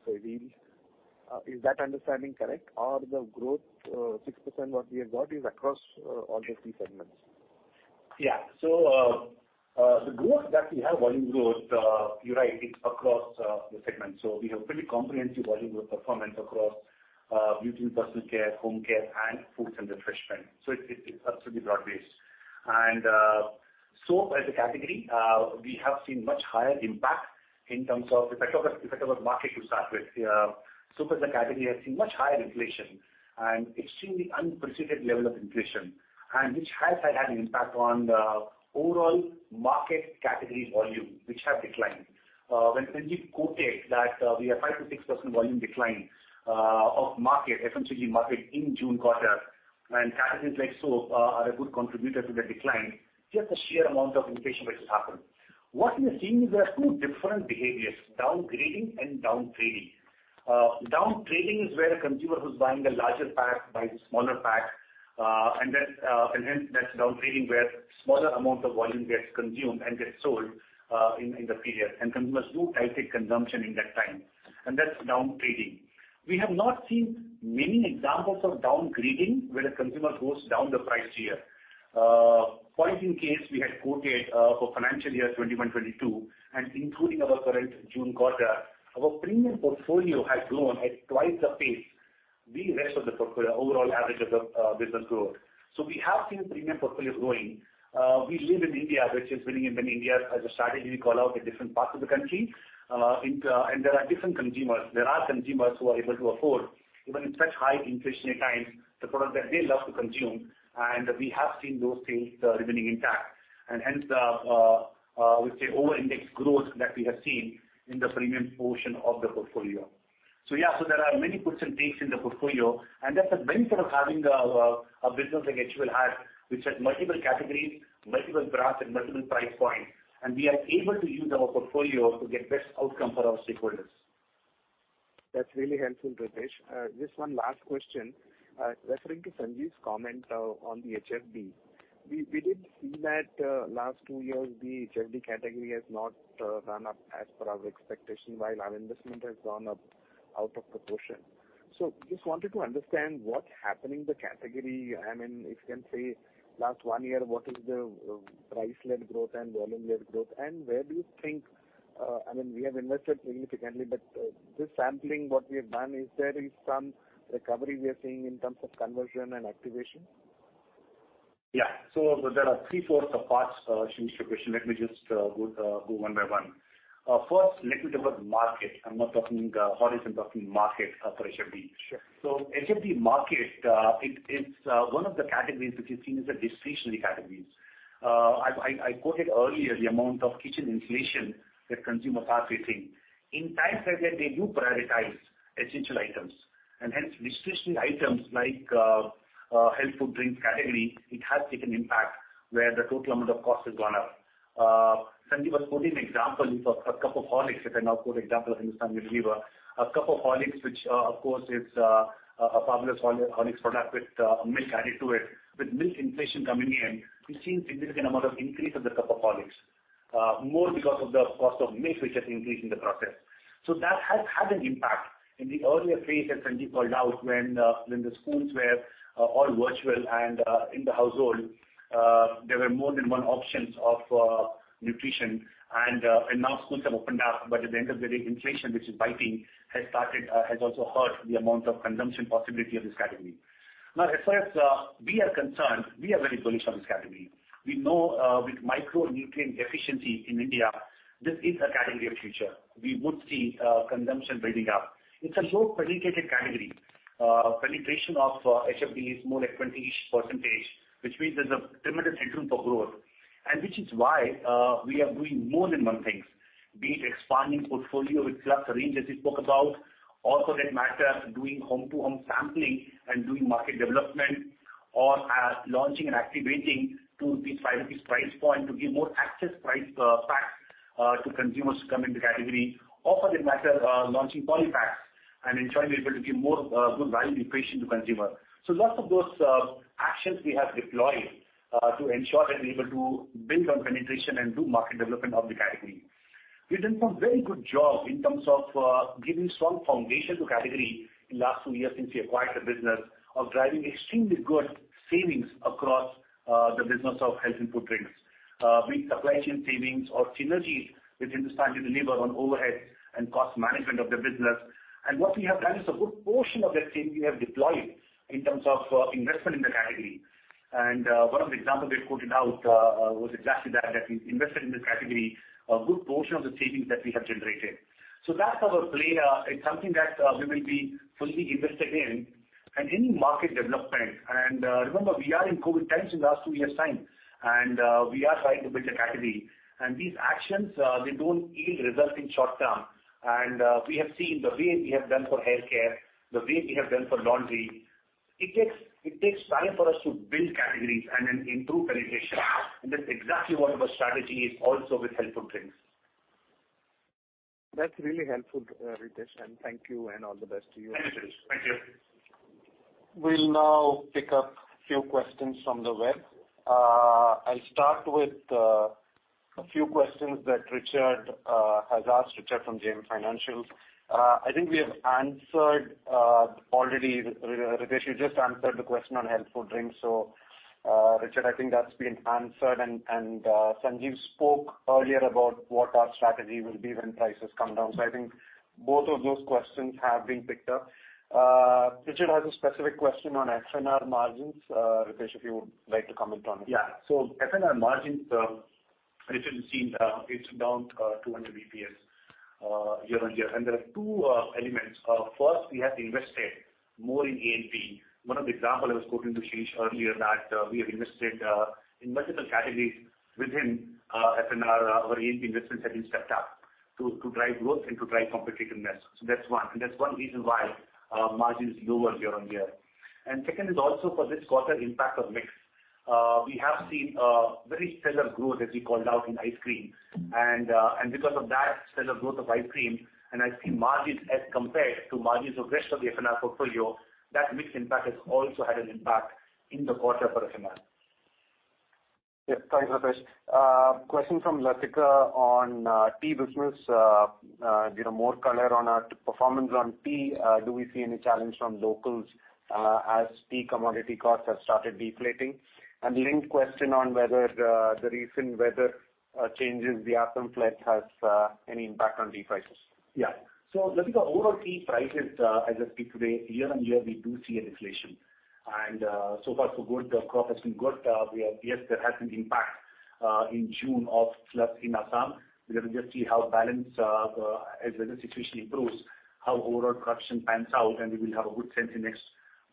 say Wheel. Is that understanding correct? Or the growth, 6% what we have got is across all three segments? The growth that we have, volume growth, you're right, it's across the segments. We have pretty comprehensive volume growth performance across Beauty and Personal Care, Home Care, and Foods and Refreshment. It's absolutely broad-based. Soap as a category, we have seen much higher impact in terms of. If I talk about market to start with, soap as a category has seen much higher inflation and extremely unprecedented level of inflation, and which has had an impact on the overall market category volume, which has declined. When Sanjiv quoted that, we have 5%-6% volume decline of market, essentially market in June quarter, and categories like soap are a good contributor to the decline, just the sheer amount of inflation which has happened. What we are seeing is there are two different behaviors, downgrading and downtrading. Downtrading is where a consumer who's buying a larger pack buys a smaller pack, and hence that's downtrading, where smaller amount of volume gets consumed and gets sold in the period, and consumers do tight consumption in that time. That's downtrading. We have not seen many examples of downgrading where a consumer goes down the price tier. Point in case, we had quoted for financial year 2021-2022, and including our current June quarter, our premium portfolio has grown at twice the pace the rest of the portfolio, overall average of the business growth. We have seen premium portfolios growing. We live in India, which is winning in many Indias as a strategy, we call out the different parts of the country. There are different consumers. There are consumers who are able to afford, even in such high inflationary times, the products that they love to consume. We have seen those things remaining intact. Hence, we say over-indexed growth that we have seen in the premium portion of the portfolio. Yeah, there are many puts and takes in the portfolio, and that's the benefit of having a business like HUL has, which has multiple categories, multiple brands, and multiple price points. We are able to use our portfolio to get best outcome for our stakeholders. That's really helpful, Ritesh. Just one last question. Referring to Sanjiv's comment on the HFD. We did see that last two years, the HFD category has not gone up as per our expectation, while our investment has gone up out of proportion. Just wanted to understand what's happening in the category. I mean, if you can say last one year, what is the price-led growth and volume-led growth? And where do you think, I mean, we have invested significantly, but this sampling, what we have done, is there is some recovery we are seeing in terms of conversion and activation? Yeah. There are three, four sub parts to your question. Let me just go one by one. First, let me talk about market. I'm not talking Horlicks, I'm talking market of HFD. Sure. HFD market, it's one of the categories which is seen as a discretionary categories. I quoted earlier the amount of kitchen inflation that consumers are facing. In times like that, they do prioritize essential items, and hence discretionary items like health food drinks category, it has taken impact, where the total amount of cost has gone up. Sanjiv was quoting example, if a cup of Horlicks, if I now quote example of Hindustan Unilever. A cup of Horlicks, which of course is a fabulous Horlicks product with milk added to it. With milk inflation coming in, we've seen significant amount of increase in the cup of Horlicks, more because of the cost of milk which has increased in the process. That has had an impact. In the earlier phase, as Sanjiv called out, when the schools were all virtual and in the household, there were more than one options of nutrition and now schools have opened up. At the end of the day, inflation, which is biting, has also hurt the amount of consumption possibility of this category. Now, as far as we are concerned, we are very bullish on this category. We know with micronutrient deficiency in India, this is a category of future. We would see consumption building up. It's a low-penetrated category. Penetration of HFD is more like 20-ish percentage, which means there's a tremendous headroom for growth. Which is why we are doing more than one things. Be it expanding portfolio with clubbed range, as we spoke about. That matters, doing home-to-home sampling and doing market development or launching and activating to these 5 rupees price point to give more accessible price packs to consumers to come into the category. That matters, launching poly packs and ensuring we're able to give more good value equation to consumer. Lots of those actions we have deployed to ensure that we're able to build on penetration and do market development of the category. We've done some very good job in terms of giving strong foundation to category in last two years since we acquired the business and driving extremely good savings across the business of health and food drinks. Be it supply chain savings or synergies with Hindustan Unilever on overheads and cost management of the business. What we have done is a good portion of that saving we have deployed in terms of investment in the category. One of the examples we have quoted out was exactly that we invested in the category a good portion of the savings that we have generated. That's our play. It's something that we will be fully invested in. Any market development, remember, we are in COVID times in the last two years' time, and we are trying to build a category. These actions, they don't yield result in short term. We have seen the way we have done for haircare, the way we have done for laundry. It takes time for us to build categories and then improve penetration. That's exactly what our strategy is also with Health Food Drinks. That's really helpful, Ritesh, and thank you, and all the best to you. Thank you, Sir. Thank you. We'll now pick up a few questions from the web. I'll start with a few questions that Richard has asked. Richard from JM Financial. I think we have answered already. Ritesh, you just answered the question on Health Food Drinks. Richard, I think that's been answered. Sanjiv spoke earlier about what our strategy will be when prices come down. I think both of those questions have been picked up. Richard has a specific question on F&R margins. Ritesh, if you would like to comment on it. F&R margins, Richard, you've seen, it's down 200 bps year-over-year. There are two elements. First, we have invested more in A&P. One of the examples I was quoting to Shirish earlier, that we have invested in multiple categories within F&R. Our A&P investments have been stepped up to drive growth and to drive competitiveness. That's one. That's one reason why margin is lower year-over-year. Second is also for this quarter impact of mix. We have seen very stellar growth, as we called out, in ice cream. Because of that stellar growth of ice cream, and ice cream margins as compared to margins of rest of the F&R portfolio, that mix impact has also had an impact in the quarter for F&R. Yes. Thanks, Ritesh. Question from Latika on tea business. Give more color on our performance on tea. Do we see any challenge from locals as tea commodity costs have started deflating? Linked question on whether the recent weather changes, the Assam flood has any impact on these prices. Yeah. Latika, overall tea prices, as I speak today, year-on-year, we do see a deflation. So far so good. The crop has been good. Yes, there has been impact in June of floods in Assam. We have to just see how balance as the situation improves, how overall production pans out, and we will have a good sense in next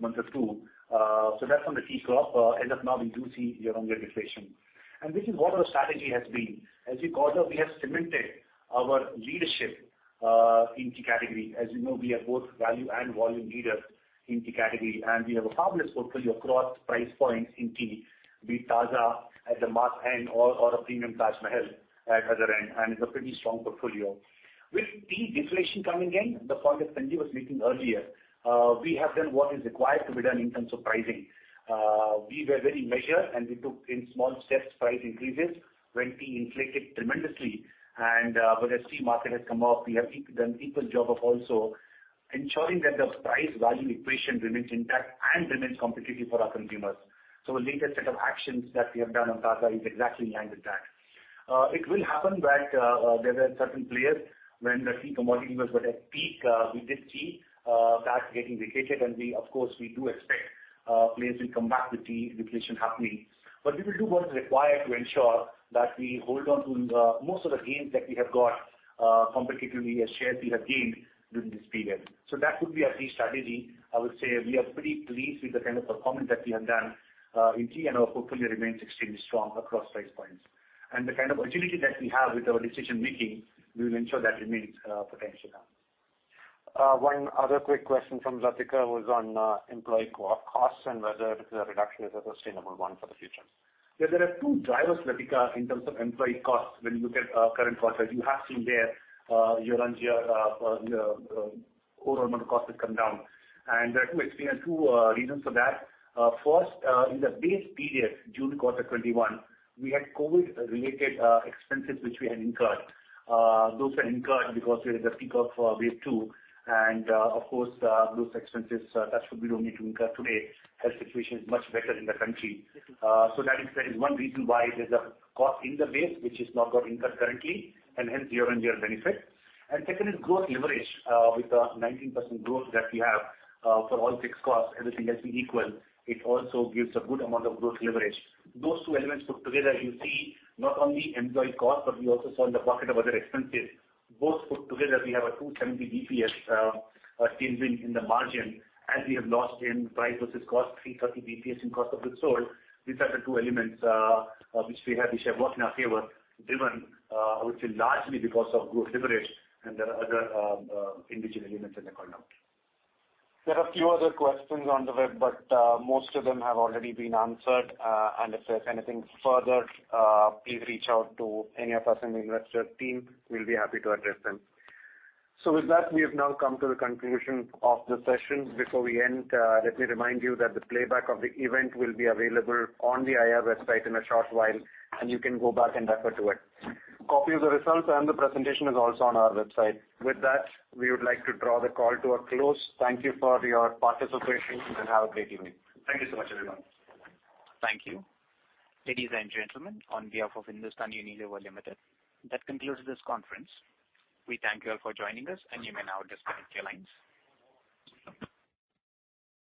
month or two. So that's on the tea crop. As of now, we do see year-on-year deflation. This is what our strategy has been. As we called out, we have cemented our leadership in tea category. As you know, we are both value and volume leader in tea category, and we have a fabulous portfolio across price points in tea, be it Taaza at the mass end or a premium Taj Mahal at other end, and it's a pretty strong portfolio. With tea deflation coming in, the point that Sanjiv was making earlier, we have done what is required to be done in terms of pricing. We were very measured, and we took in small steps price increases when tea inflated tremendously. But as tea market has come off, we have done equal job of also ensuring that the price value equation remains intact and remains competitive for our consumers. The latest set of actions that we have done on Taaza is exactly in line with that. It will happen that there were certain players when the tea commodity was at its peak, we did see that getting vacated. We, of course, do expect players will come back with tea deflation happening. We will do what is required to ensure that we hold on to the most of the gains that we have got, competitively as shares we have gained during this period. That would be our tea strategy. I would say we are pretty pleased with the kind of performance that we have done in tea, and our portfolio remains extremely strong across price points. The kind of agility that we have with our decision-making, we will ensure that remains, potentially now. One other quick question from Latika was on employee costs and whether the reduction is a sustainable one for the future. Yeah. There are two drivers, Latika, in terms of employee costs when you look at current costs. As you have seen there, year-on-year, overall amount of cost has come down. There are two reasons for that. First, in the base period, June quarter 2021, we had COVID-related expenses which we had incurred. Those were incurred because it was the peak of wave two. Of course, those expenses that we don't need to incur today as situation is much better in the country. That is one reason why there's a cost in the base which is not got incurred currently, and hence year-on-year benefit. Second is growth leverage. With the 19% growth that we have, for all fixed costs, everything else being equal, it also gives a good amount of growth leverage. Those two elements put together, you see not only employee cost, but we also saw in the bucket of other expenses. Both put together, we have a 270 bps change in the margin, as we have lost in price versus cost, 330 bps in cost of goods sold. These are the two elements which we have, which have worked in our favor, driven, I would say largely because of growth leverage and there are other individual elements as I called out. There are a few other questions on the web, but most of them have already been answered. If there's anything further, please reach out to any of us in the investor team. We'll be happy to address them. With that, we have now come to the conclusion of the session. Before we end, let me remind you that the playback of the event will be available on the IR website in a short while, and you can go back and refer to it. Copy of the results and the presentation is also on our website. With that, we would like to draw the call to a close. Thank you for your participation, and have a great evening. Thank you so much, everyone. Thank you. Ladies and gentlemen, on behalf of Hindustan Unilever Limited, that concludes this conference. We thank you all for joining us, and you may now disconnect your lines.